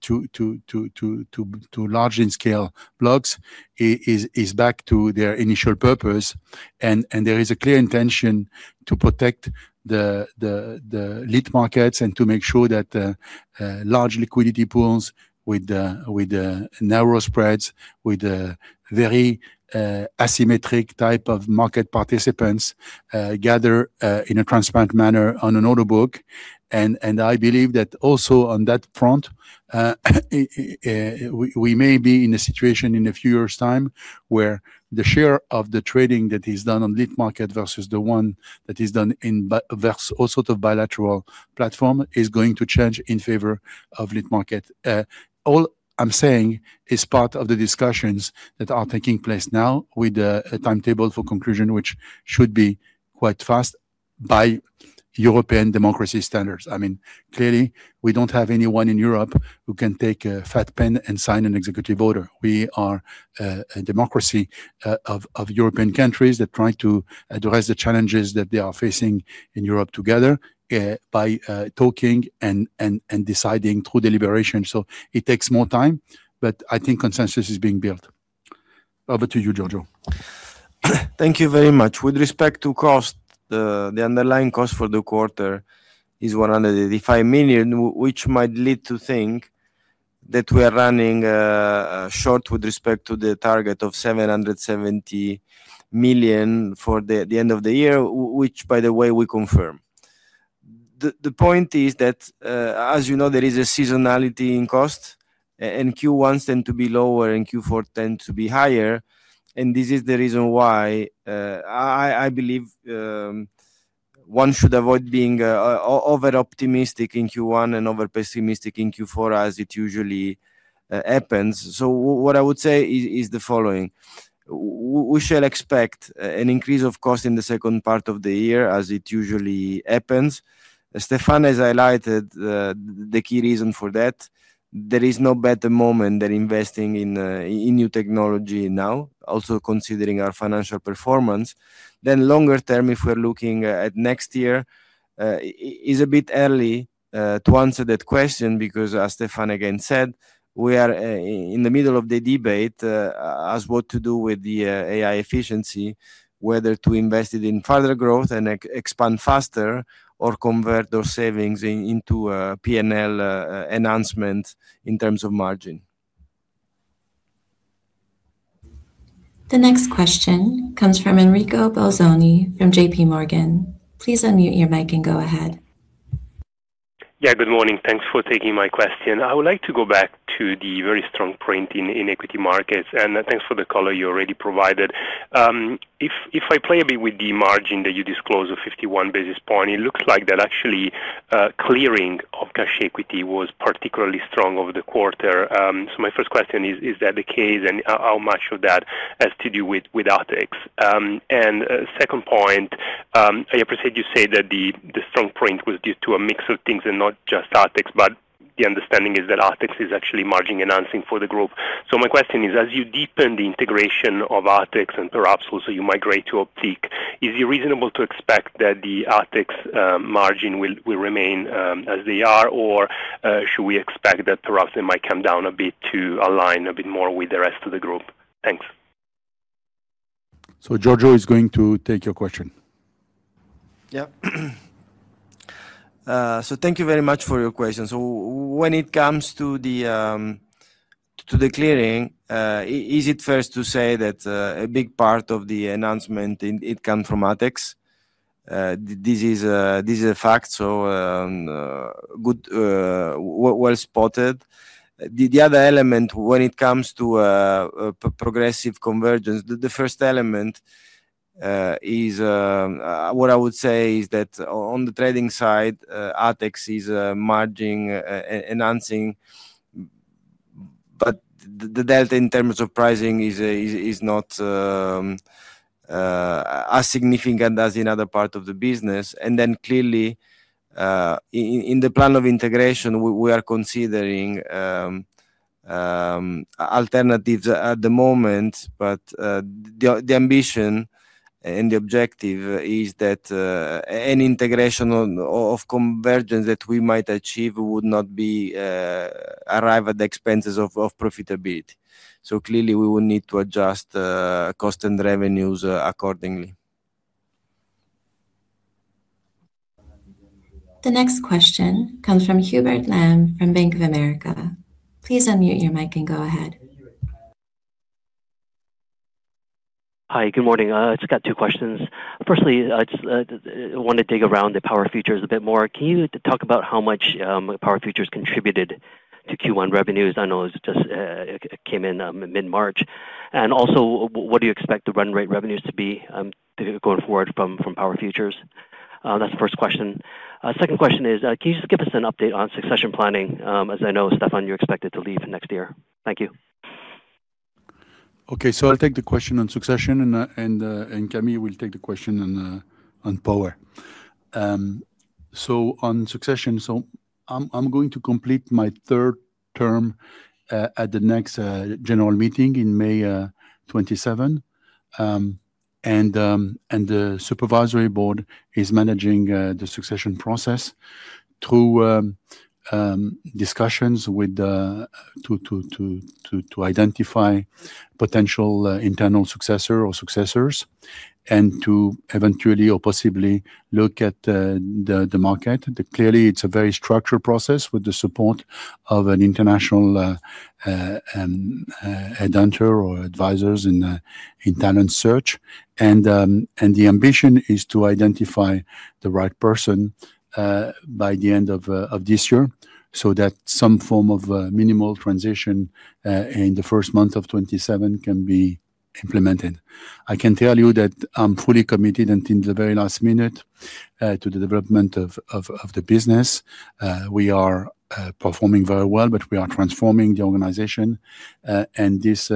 to large-in-scale blocks is back to their initial purpose. There is a clear intention to protect the lit markets and to make sure that large liquidity pools with narrow spreads, with very asymmetric type of market participants, gather in a transparent manner on an order book. I believe that also on that front, we may be in a situation in a few years' time where the share of the trading that is done on lit market versus the one that is done in all sorts of bilateral platform is going to change in favor of lit market. All I'm saying is part of the discussions that are taking place now with a timetable for conclusion, which should be quite fast by European democracy standards. I mean, clearly, we don't have anyone in Europe who can take a fat pen and sign an executive order. We are a democracy of European countries that try to address the challenges that they are facing in Europe together by talking and deciding through deliberation. It takes more time, but I think consensus is being built. Over to you, Giorgio. Thank you very much. With respect to cost, the underlying cost for the quarter is 185 million, which might lead to think that we are running short with respect to the target of 770 million for the end of the year, which, by the way, we confirm. The point is that, as you know, there is a seasonality in cost. Q1 tends to be lower and Q4 tends to be higher. This is the reason why I believe one should avoid being overoptimistic in Q1 and overpessimistic in Q4 as it usually happens. What I would say is the following. We shall expect an increase of cost in the second part of the year as it usually happens. Stéphane, as highlighted the key reason for that, there is no better moment than investing in new technology now, also considering our financial performance. Longer term, if we're looking at next year, is a bit early to answer that question because, as Stéphane again said, we are in the middle of the debate as to what to do with the AI efficiency, whether to invest it in further growth and expand faster or convert those savings into P&L enhancement in terms of margin. The next question comes from Enrico Bolzoni from JPMorgan. Please unmute your mic and go ahead. Yeah. Good morning. Thanks for taking my question. I would like to go back to the very strong point in equity markets. Thanks for the color you already provided. If I play a bit with the margin that you disclosed of 51 basis points, it looks like that actually clearing of cash equity was particularly strong over the quarter. My first question is that the case? How much of that has to do with ATHEX? Second point, I appreciate you say that the strong point was due to a mix of things and not just ATHEX. The understanding is that ATHEX is actually margin enhancing for the group. My question is, as you deepen the integration of ATHEX and perhaps also you migrate to Optiq, is it reasonable to expect that the ATHEX margin will remain as they are, or should we expect that perhaps it might come down a bit to align a bit more with the rest of the group? Thanks. Giorgio is going to take your question. Thank you very much for your question. When it comes to the clearing, is it fair to say that a big part of the enhancement, it comes from ATHEX? This is a fact, well spotted. The other element, when it comes to progressive convergence, the first element is what I would say is that on the trading side, ATHEX is margin enhancing, but the delta in terms of pricing is not as significant as in other parts of the business. Clearly, in the plan of integration, we are considering alternatives at the moment. The ambition and the objective is that any integration of convergence that we might achieve would not arrive at the expenses of profitability. Clearly, we will need to adjust cost and revenues accordingly. The next question comes from Hubert Lam from Bank of America. Please unmute your mic and go ahead. Hi. Good morning. I just got two questions. Firstly, I want to dig around the power futures a bit more. Can you talk about how much power futures contributed to Q1 revenues? I know it just came in mid-March. Also, what do you expect the run rate revenues to be going forward from power futures? That's the first question. second question is, can you just give us an update on succession planning? As I know, Stéphane, you're expected to leave next year. Thank you. Okay. I'll take the question on succession. Camille, we'll take the question on Power. On succession, I'm going to complete my third term at the next general meeting in May 2027. The supervisory board is managing the succession process through discussions to identify potential internal successor or successors and to eventually or possibly look at the market. Clearly, it's a very structured process with the support of an international adjunct or advisors in talent search. The ambition is to identify the right person by the end of this year so that some form of minimal transition in the first month of 2027 can be implemented. I can tell you that I'm fully committed and in the very last minute to the development of the business. We are performing very well, but we are transforming the organization. This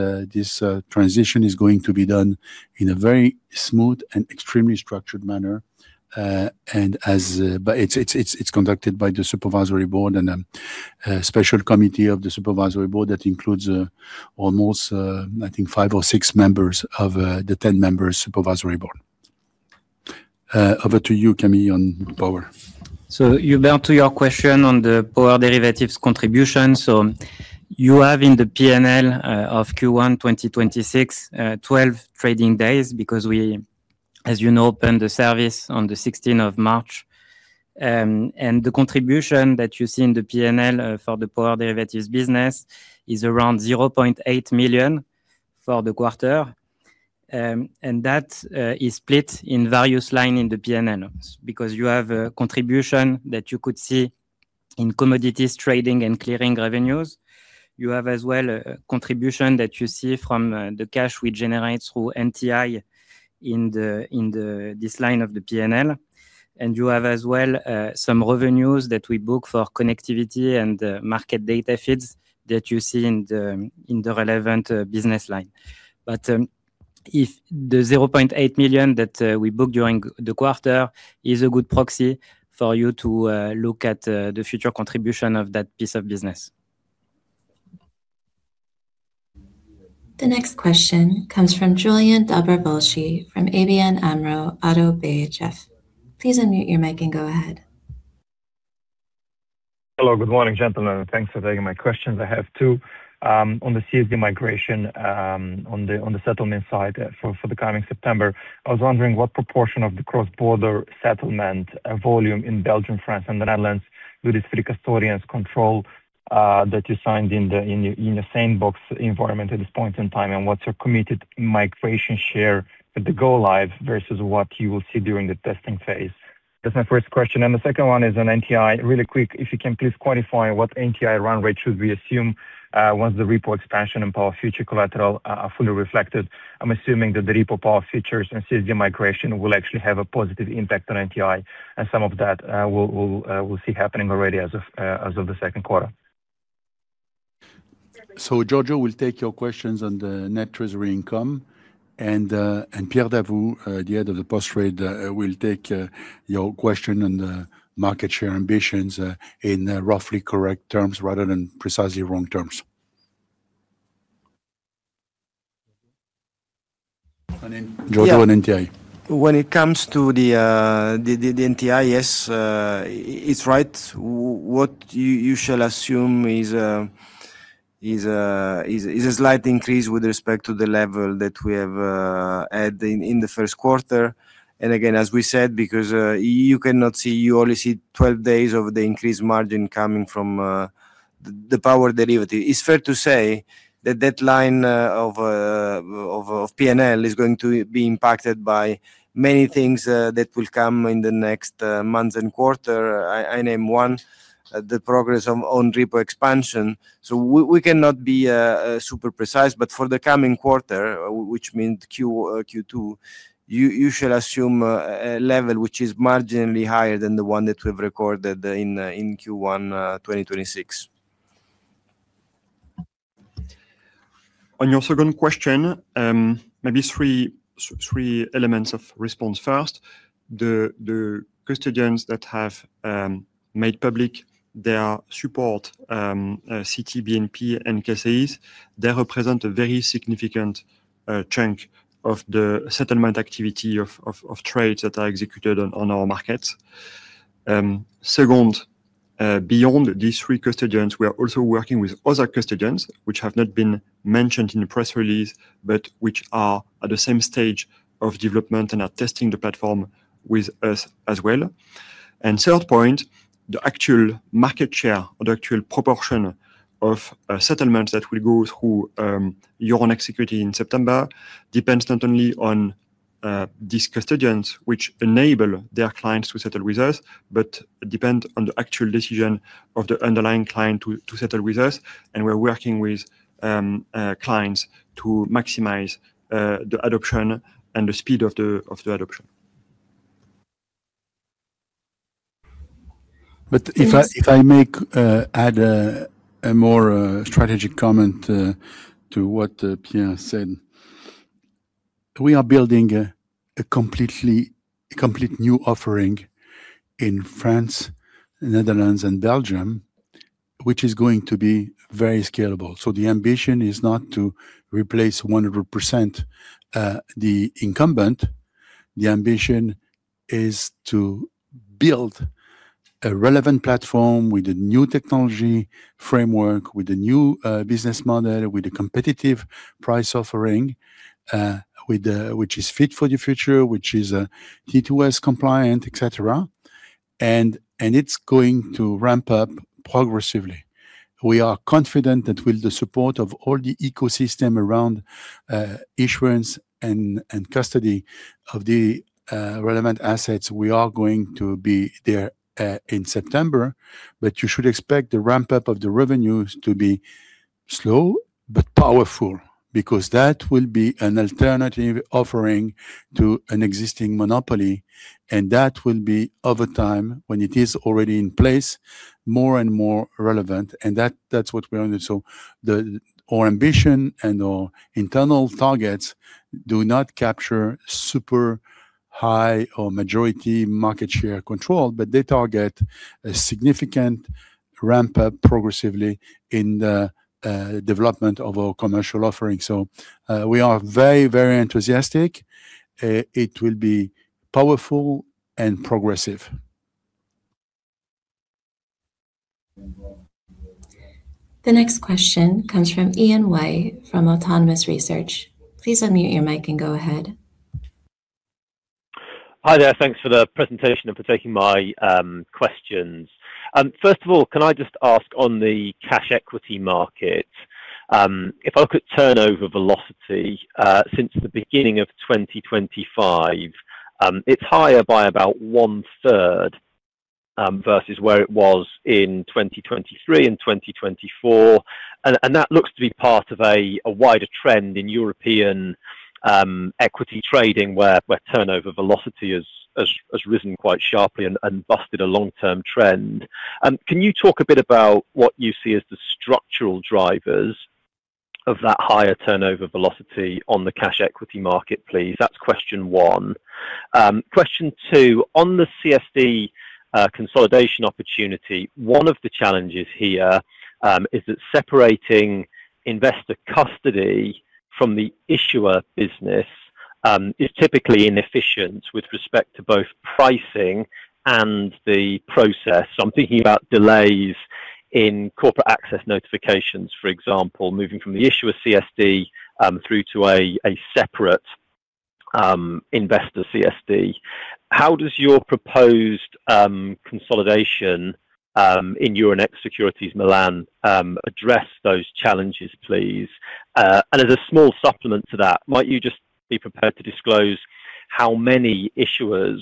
transition is going to be done in a very smooth and extremely structured manner. It's conducted by the supervisory board and a special committee of the supervisory board that includes almost, I think, five or six members of the 10-member supervisory board. Over to you, Camille, on Power. You've been to your question on the power derivatives contribution. You have in the P&L of Q1 2026, 12 trading days because we, as you know, opened the service on the 16th of March. The contribution that you see in the P&L for the power derivatives business is around 0.8 million for the quarter. That is split in various lines in the P&L because you have a contribution that you could see in commodities trading and clearing revenues. You have as well a contribution that you see from the cash we generate through NTI in this line of the P&L. You have as well some revenues that we book for connectivity and market data feeds that you see in the relevant business line. The 0.8 million that we book during the quarter is a good proxy for you to look at the future contribution of that piece of business. The next question comes from Julian Dobrovolschi from ABN AMRO ODDO BHF. Please unmute your mic and go ahead. Hello. Good morning, gentlemen. Thanks for taking my questions. I have two. On the CSD migration, on the settlement side for the coming September, I was wondering what proportion of the cross-border settlement volume in Belgium, France, and the Netherlands do these three custodians control that you signed in your sandbox environment at this point in time? What's your committed migration share at the go-live versus what you will see during the testing phase? That's my first question. The second one is on NTI. Really quick, if you can, please quantify what NTI run rate should we assume once the repo expansion and power futures collateral are fully reflected? I'm assuming that the repo power futures and CSD migration will actually have a positive impact on NTI. Some of that we'll see happening already as of the second quarter. Giorgio will take your questions on the net treasury income. Pierre Davoust, at the end of the post-trade, will take your question on the market share ambitions in roughly correct terms rather than precisely wrong terms. Giorgio on NTI. When it comes to the NTI, yes, it is right. What you shall assume is a slight increase with respect to the level that we have had in the first quarter. Again, as we said, because you cannot see you only see 12 days of the increased margin coming from the power derivative. It is fair to say that that line of P&L is going to be impacted by many things that will come in the next months and quarter. I name one, the progress on repo expansion. We cannot be super precise. For the coming quarter, which means Q2, you shall assume a level which is marginally higher than the one that we've recorded in Q1 2026. On your second question, maybe three elements of response first. The custodians that have made public their support, Citi, BNP, and CACEIS, they represent a very significant chunk of the settlement activity of trades that are executed on our markets. Second, beyond these three custodians, we are also working with other custodians which have not been mentioned in the press release but which are at the same stage of development and are testing the platform with us as well. Third point, the actual market share or the actual proportion of settlements that will go through Euronext equity in September depends not only on these custodians which enable their clients to settle with us but depend on the actual decision of the underlying client to settle with us. We're working with clients to maximize the adoption and the speed of the adoption. If I make add a more strategic comment to what Pierre said, we are building a completely new offering in France, Netherlands, and Belgium, which is going to be very scalable. The ambition is not to replace 100% the incumbent. The ambition is to build a relevant platform with a new technology framework, with a new business model, with a competitive price offering which is fit for the future, which is T2S compliant, etc. It's going to ramp up progressively. We are confident that with the support of all the ecosystem around issuance and custody of the relevant assets, we are going to be there in September. You should expect the ramp-up of the revenues to be slow but powerful because that will be an alternative offering to an existing monopoly. That will be, over time, when it is already in place, more and more relevant. That's what we're on. Our ambition and our internal targets do not capture super high or majority market share control, but they target a significant ramp-up progressively in the development of our commercial offering. We are very, very enthusiastic. It will be powerful and progressive. The next question comes from Ian White from Autonomous Research. Please unmute your mic and go ahead. Hi there. Thanks for the presentation and for taking my questions. First of all, can I just ask on the cash equity market, if I look at turnover velocity since the beginning of 2025, it's higher by about 1/3 versus where it was in 2023 and 2024. That looks to be part of a wider trend in European equity trading where turnover velocity has risen quite sharply and busted a long-term trend. Can you talk a bit about what you see as the structural drivers of that higher turnover velocity on the cash equity market, please? That's question one. Question two, on the CSD consolidation opportunity, one of the challenges here is that separating investor custody from the issuer business is typically inefficient with respect to both pricing and the process. I'm thinking about delays in corporate access notifications, for example, moving from the issuer CSD through to a separate investor CSD. How does your proposed consolidation in Euronext Securities Milan address those challenges, please? As a small supplement to that, might you just be prepared to disclose how many issuers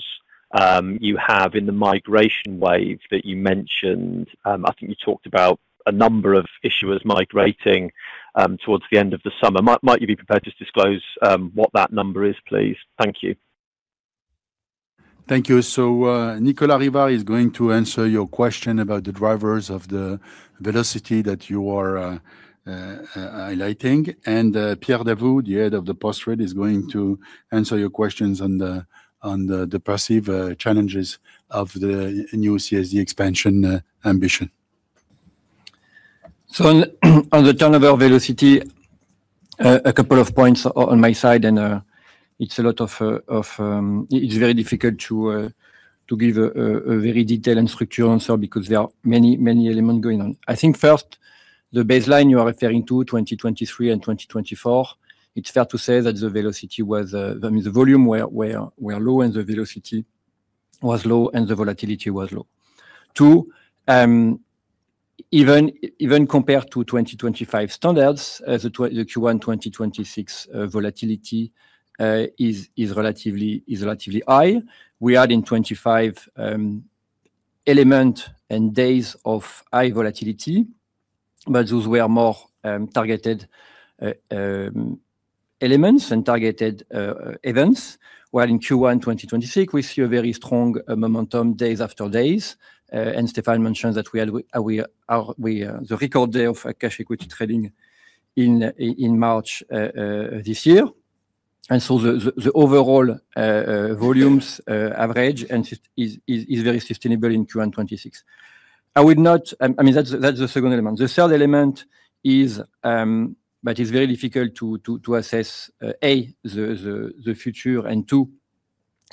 you have in the migration wave that you mentioned? I think you talked about a number of issuers migrating towards the end of the summer. Might you be prepared to disclose what that number is, please? Thank you. Thank you. Nicolas Rivard is going to answer your question about the drivers of the velocity that you are highlighting. Pierre Davoust, the head of the post-trade, is going to answer your questions on the passive challenges of the new CSD expansion ambition. On the turnover velocity, a couple of points on my side. It's a lot of it's very difficult to give a very detailed and structured answer because there are many, many elements going on. I think first, the baseline you are referring to, 2023 and 2024, it's fair to say that the velocity was, I mean, the volume were low and the velocity was low and the volatility was low. Two, even compared to 2025 standards, the Q1 2026 volatility is relatively high. We had in 2025 elements and days of high volatility, those were more targeted elements and targeted events. While in Q1 2026, we see a very strong momentum days after days. Stéphane mentioned that we had the record day of cash equity trading in March this year. The overall volumes average is very sustainable in Q1 2026. I mean, that's the second element. The third element is it's very difficult to assess, A, the future. Two,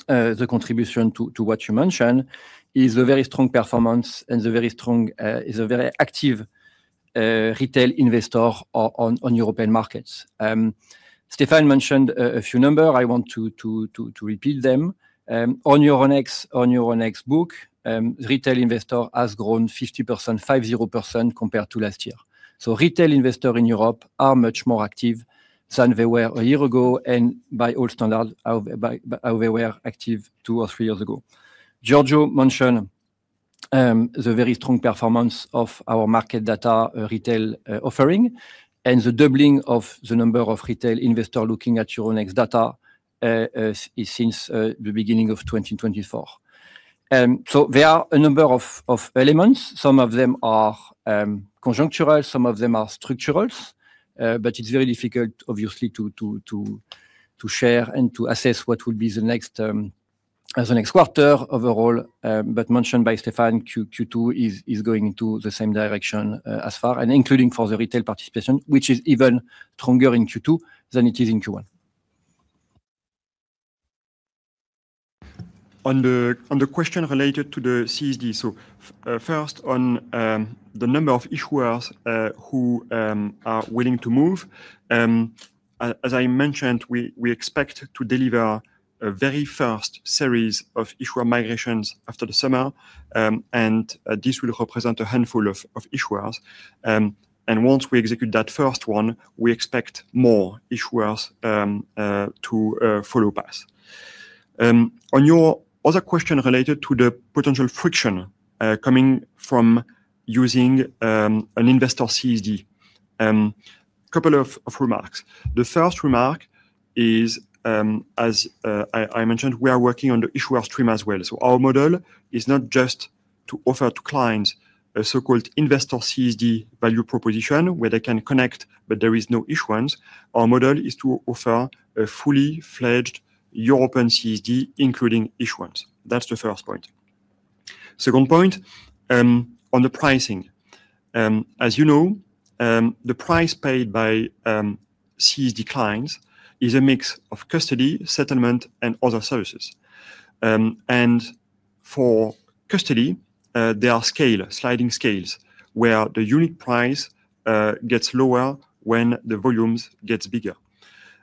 the contribution to what you mentioned is the very strong performance and the very strong is a very active retail investor on European markets. Stéphane mentioned a few numbers. I want to repeat them. On Euronext book, the retail investor has grown 50% compared to last year. Retail investors in Europe are much more active than they were a year ago. By all standards, how they were active two or three years ago. Giorgio mentioned the very strong performance of our market data retail offering and the doubling of the number of retail investors looking at Euronext data since the beginning of 2024. There are a number of elements. Some of them are conjunctural. Some of them are structural. It's very difficult, obviously, to share and to assess what will be the next quarter overall. Mentioned by Stéphane, Q2 is going into the same direction as far, including for the retail participation, which is even stronger in Q2 than it is in Q1. On the question related to the CSD, first on the number of issuers who are willing to move. This will represent a handful of issuers. Once we execute that first one, we expect more issuers to follow fast. On your other question related to the potential friction coming from using an investor CSD, a couple of remarks. The first remark is, as I mentioned, we are working on the issuer stream as well. Our model is not just to offer to clients a so-called investor CSD value proposition where they can connect, but there is no issuance. Our model is to offer a fully fledged European CSD including issuance. That's the first point. Second point, on the pricing. As you know, the price paid by CSD clients is a mix of custody, settlement, and other services. For custody, there are sliding scales where the unit price gets lower when the volumes get bigger.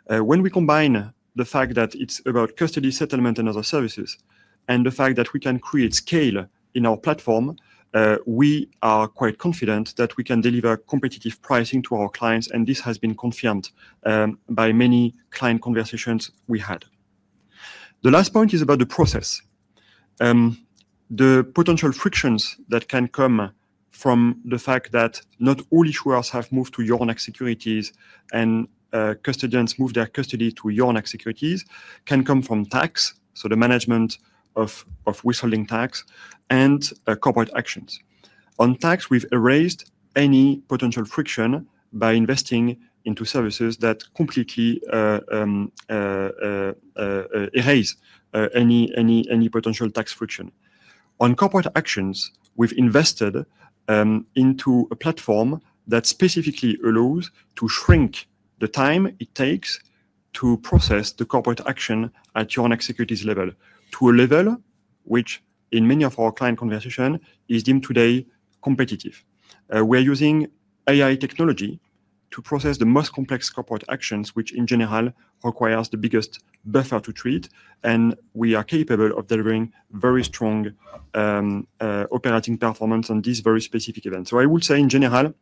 When we combine the fact that it's about custody, settlement, and other services, and the fact that we can create scale in our platform, we are quite confident that we can deliver competitive pricing to our clients. This has been confirmed by many client conversations we had. The last point is about the process. The potential frictions that can come from the fact that not all issuers have moved to Euronext Securities and custodians move their custody to Euronext Securities can come from tax, so the management of withholding tax, and corporate actions. On tax, we've erased any potential friction by investing into services that completely erase any potential tax friction. On corporate actions, we've invested into a platform that specifically allows to shrink the time it takes to process the corporate action at Euronext Securities level to a level which, in many of our client conversations, is deemed today competitive. We are using AI technology to process the most complex corporate actions, which in general requires the biggest buffer to treat. We are capable of delivering very strong operating performance on these very specific events. I would say, in general,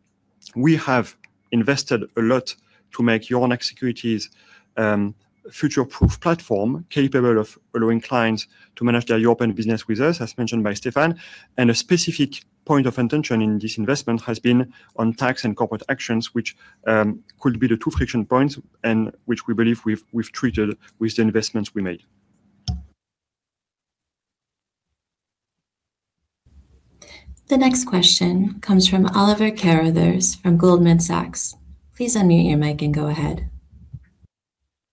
we have invested a lot to make Euronext Securities a future-proof platform capable of allowing clients to manage their European business with us, as mentioned by Stéphane. A specific point of intention in this investment has been on tax and corporate actions, which could be the two friction points and which we believe we've treated with the investments we made. The next question comes from Oliver Carruthers from Goldman Sachs. Please unmute your mic and go ahead.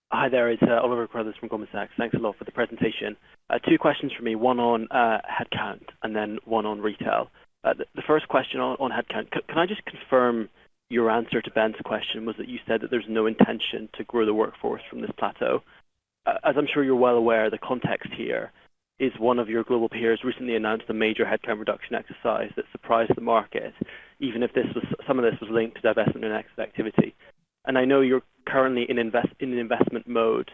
Hi there. It's Oliver Carruthers from Goldman Sachs. Thanks a lot for the presentation. Two questions for me, one on headcount and then one on retail. The first question on headcount, can I just confirm your answer to Ben's question was that you said that there's no intention to grow the workforce from this plateau? As I'm sure you're well aware, the context here is one of your global peers recently announced a major headcount reduction exercise that surprised the market, even if some of this was linked to their investment in excess activity. I know you're currently in investment mode.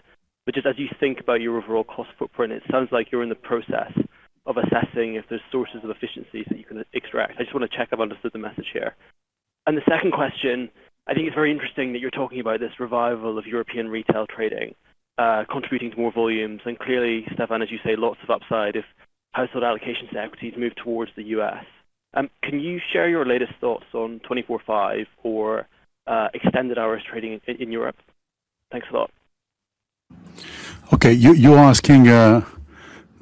Just as you think about your overall cost footprint, it sounds like you're in the process of assessing if there's sources of efficiencies that you can extract. I just want to check I've understood the message here. The second question, I think it's very interesting that you're talking about this revival of European retail trading contributing to more volumes. Clearly, Stéphane, as you say, lots of upside if household allocations to equities move towards the U.S. Can you share your latest thoughts on 24/5 or extended hours trading in Europe? Thanks a lot. Okay. You're asking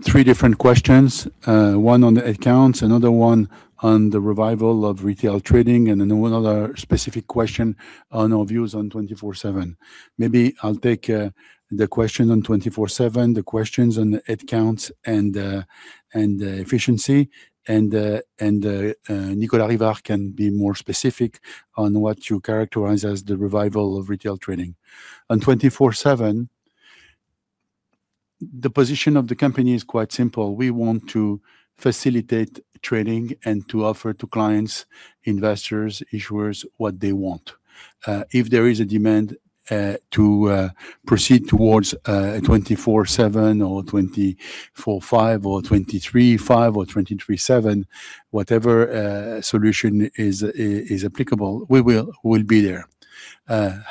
three different questions, one on the headcounts, another one on the revival of retail trading, and another specific question on our views on 24/7. Maybe I'll take the question on 24/7, the questions on the headcounts and efficiency. Nicolas Rivard can be more specific on what you characterize as the revival of retail trading. On 24/7, the position of the company is quite simple. We want to facilitate trading and to offer to clients, investors, issuers what they want. If there is a demand to proceed towards 24/7 or 24/5 or 23/5 or 23/7, whatever solution is applicable, we will be there.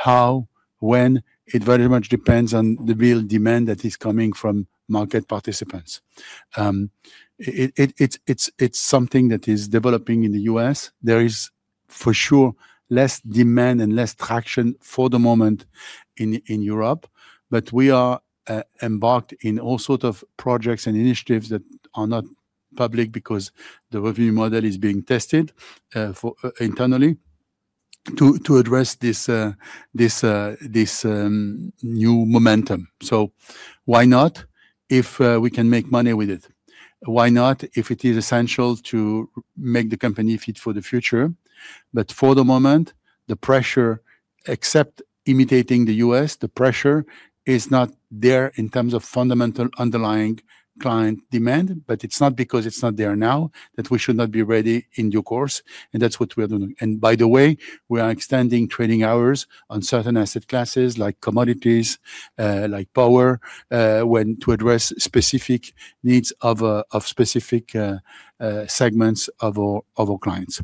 How, when, it very much depends on the real demand that is coming from market participants. It's something that is developing in the U.S. There is, for sure, less demand and less traction for the moment in Europe. We are embarked in all sorts of projects and initiatives that are not public because the revenue model is being tested internally to address this new momentum. Why not if we can make money with it? Why not if it is essential to make the company fit for the future? For the moment, the pressure, except imitating the U.S., the pressure is not there in terms of fundamental underlying client demand. It's not because it's not there now that we should not be ready in due course. That's what we are doing. By the way, we are extending trading hours on certain asset classes like commodities, like power, to address specific needs of specific segments of our clients.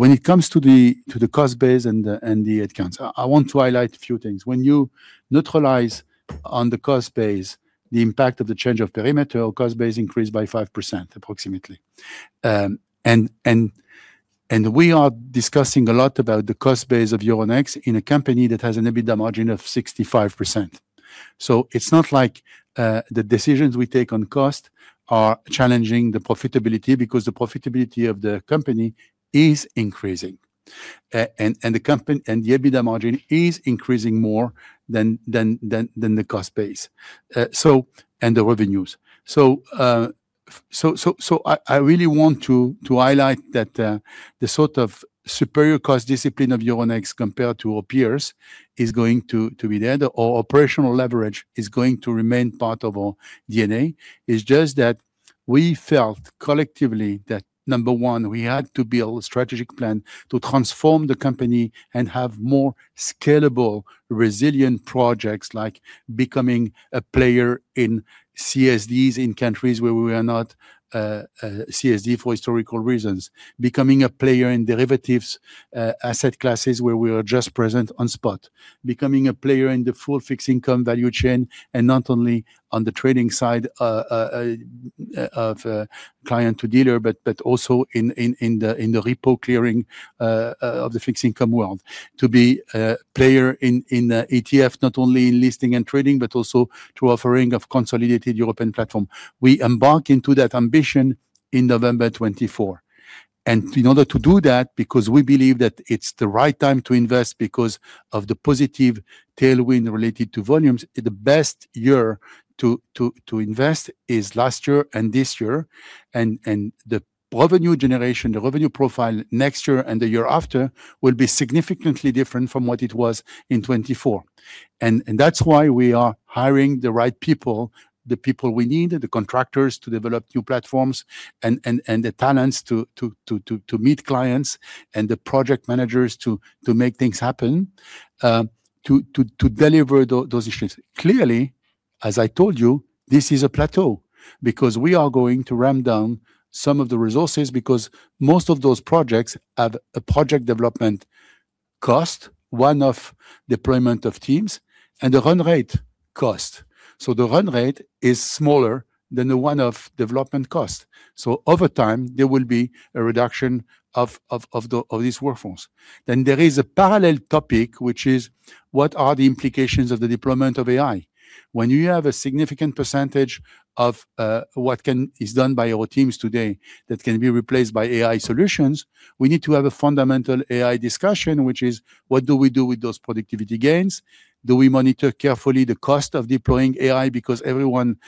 When it comes to the cost base and the headcounts, I want to highlight a few things. When you neutralize on the cost base the impact of the change of perimeter, our cost base increased by 5% approximately. We are discussing a lot about the cost base of Euronext in a company that has an EBITDA margin of 65%. It is not like the decisions we take on cost are challenging the profitability because the profitability of the company is increasing. The EBITDA margin is increasing more than the cost base and the revenues. I really want to highlight that the sort of superior cost discipline of Euronext compared to our peers is going to be there. Our operational leverage is going to remain part of our DNA. It's just that we felt collectively that, number one, we had to build a strategic plan to transform the company and have more scalable, resilient projects like becoming a player in CSDs in countries where we are not CSD for historical reasons, becoming a player in derivatives asset classes where we are just present on spot, becoming a player in the full fixed income value chain and not only on the trading side of client to dealer, but also in the repo clearing of the fixed income world, to be a player in ETF, not only in listing and trading, but also to offering of consolidated European platform. We embark into that ambition in November 2024. In order to do that, because we believe that it's the right time to invest because of the positive tailwind related to volumes, the best year to invest is last year and this year. The revenue generation, the revenue profile next year and the year after will be significantly different from what it was in 2024. That's why we are hiring the right people, the people we need, the contractors to develop new platforms, and the talents to meet clients and the project managers to make things happen, to deliver those issues. Clearly, as I told you, this is a plateau because we are going to ramp down some of the resources because most of those projects have a project development cost, one-off deployment of teams, and a run rate cost. The run rate is smaller than the one-off development cost. Over time, there will be a reduction of these workforces. There is a parallel topic, which is what are the implications of the deployment of AI? When you have a significant percentage of what is done by our teams today that can be replaced by AI solutions, we need to have a fundamental AI discussion, which is what do we do with those productivity gains? Do we monitor carefully the cost of deploying AI because everyone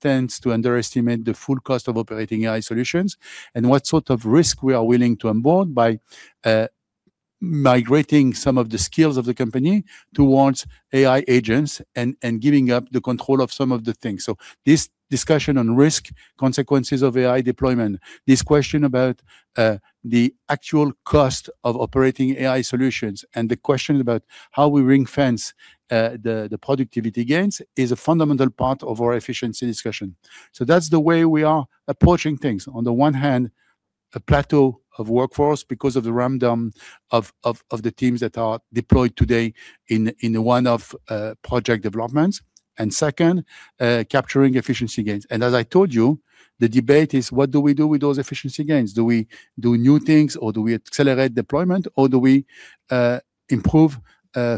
tends to underestimate the full cost of operating AI solutions? What sort of risk we are willing to onboard by migrating some of the skills of the company towards AI agents and giving up the control of some of the things? This discussion on risk, consequences of AI deployment, this question about the actual cost of operating AI solutions, and the question about how we ring-fence the productivity gains is a fundamental part of our efficiency discussion. That's the way we are approaching things. On the one hand, a plateau of workforce because of the ramp-down of the teams that are deployed today in one-off project developments. Second, capturing efficiency gains. As I told you, the debate is what do we do with those efficiency gains? Do we do new things, or do we accelerate deployment, or do we improve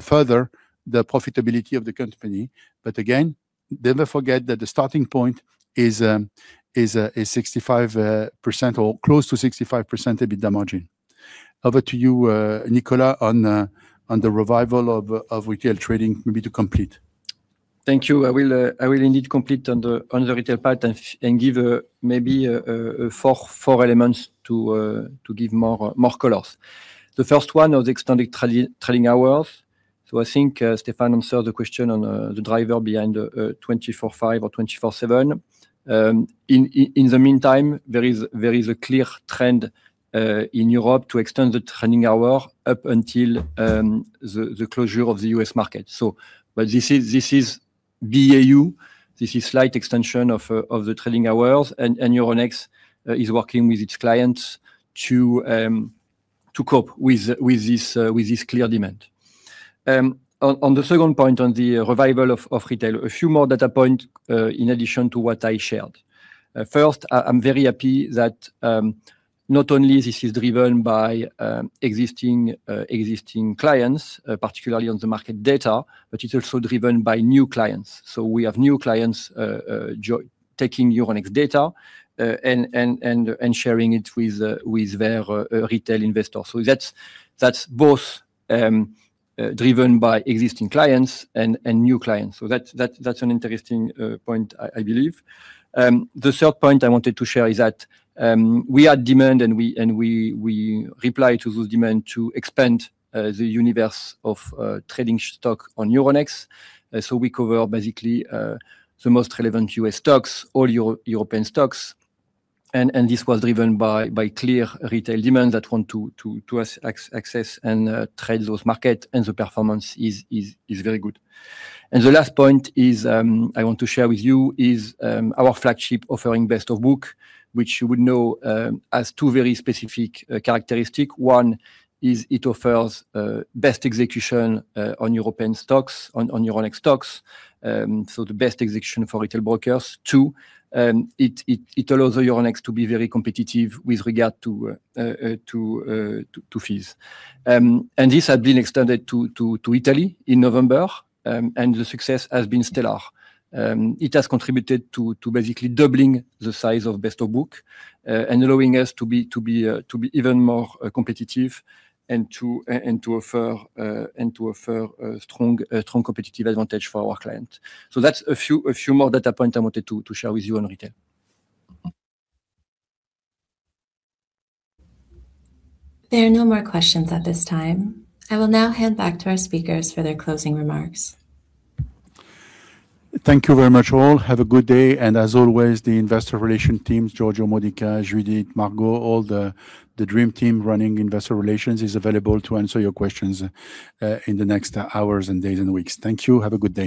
further the profitability of the company? Again, never forget that the starting point is 65% or close to 65% EBITDA margin. Over to you, Nicolas Rivard, on the revival of retail trading, maybe to complete. Thank you. I will indeed complete on the retail part and give maybe four elements to give more colors. The first one was extended trading hours. I think Stéphane answered the question on the driver behind 24/5 or 24/7. In the meantime, there is a clear trend in Europe to extend the trading hour up until the closure of the U.S. market. This is BAU. This is slight extension of the trading hours. Euronext is working with its clients to cope with this clear demand. On the second point, on the revival of retail, a few more data points in addition to what I shared. First, I'm very happy that not only this is driven by existing clients, particularly on the market data, but it's also driven by new clients. We have new clients taking Euronext data and sharing it with their retail investors. That's both driven by existing clients and new clients. That's an interesting point, I believe. The third point I wanted to share is that we add demand, and we reply to those demands to expand the universe of trading stock on Euronext. We cover basically the most relevant U.S. stocks, all European stocks. This was driven by clear retail demands that want to access and trade those markets. The performance is very good. The last point I want to share with you is our flagship offering Best of Book, which you would know has two very specific characteristics. One is it offers best execution on European stocks, on Euronext stocks, so the best execution for retail brokers. Two, it allows Euronext to be very competitive with regard to fees. This has been extended to Italy in November. The success has been stellar. It has contributed to basically doubling the size of Best of Book and allowing us to be even more competitive and to offer a strong competitive advantage for our clients. That's a few more data points I wanted to share with you on retail. There are no more questions at this time. I will now hand back to our speakers for their closing remarks. Thank you very much, all. As always, the investor relation teams, Giorgio Modica, Judith, Margaux, all the dream team running investor relations, is available to answer your questions in the next hours and days and weeks. Thank you. Have a good day.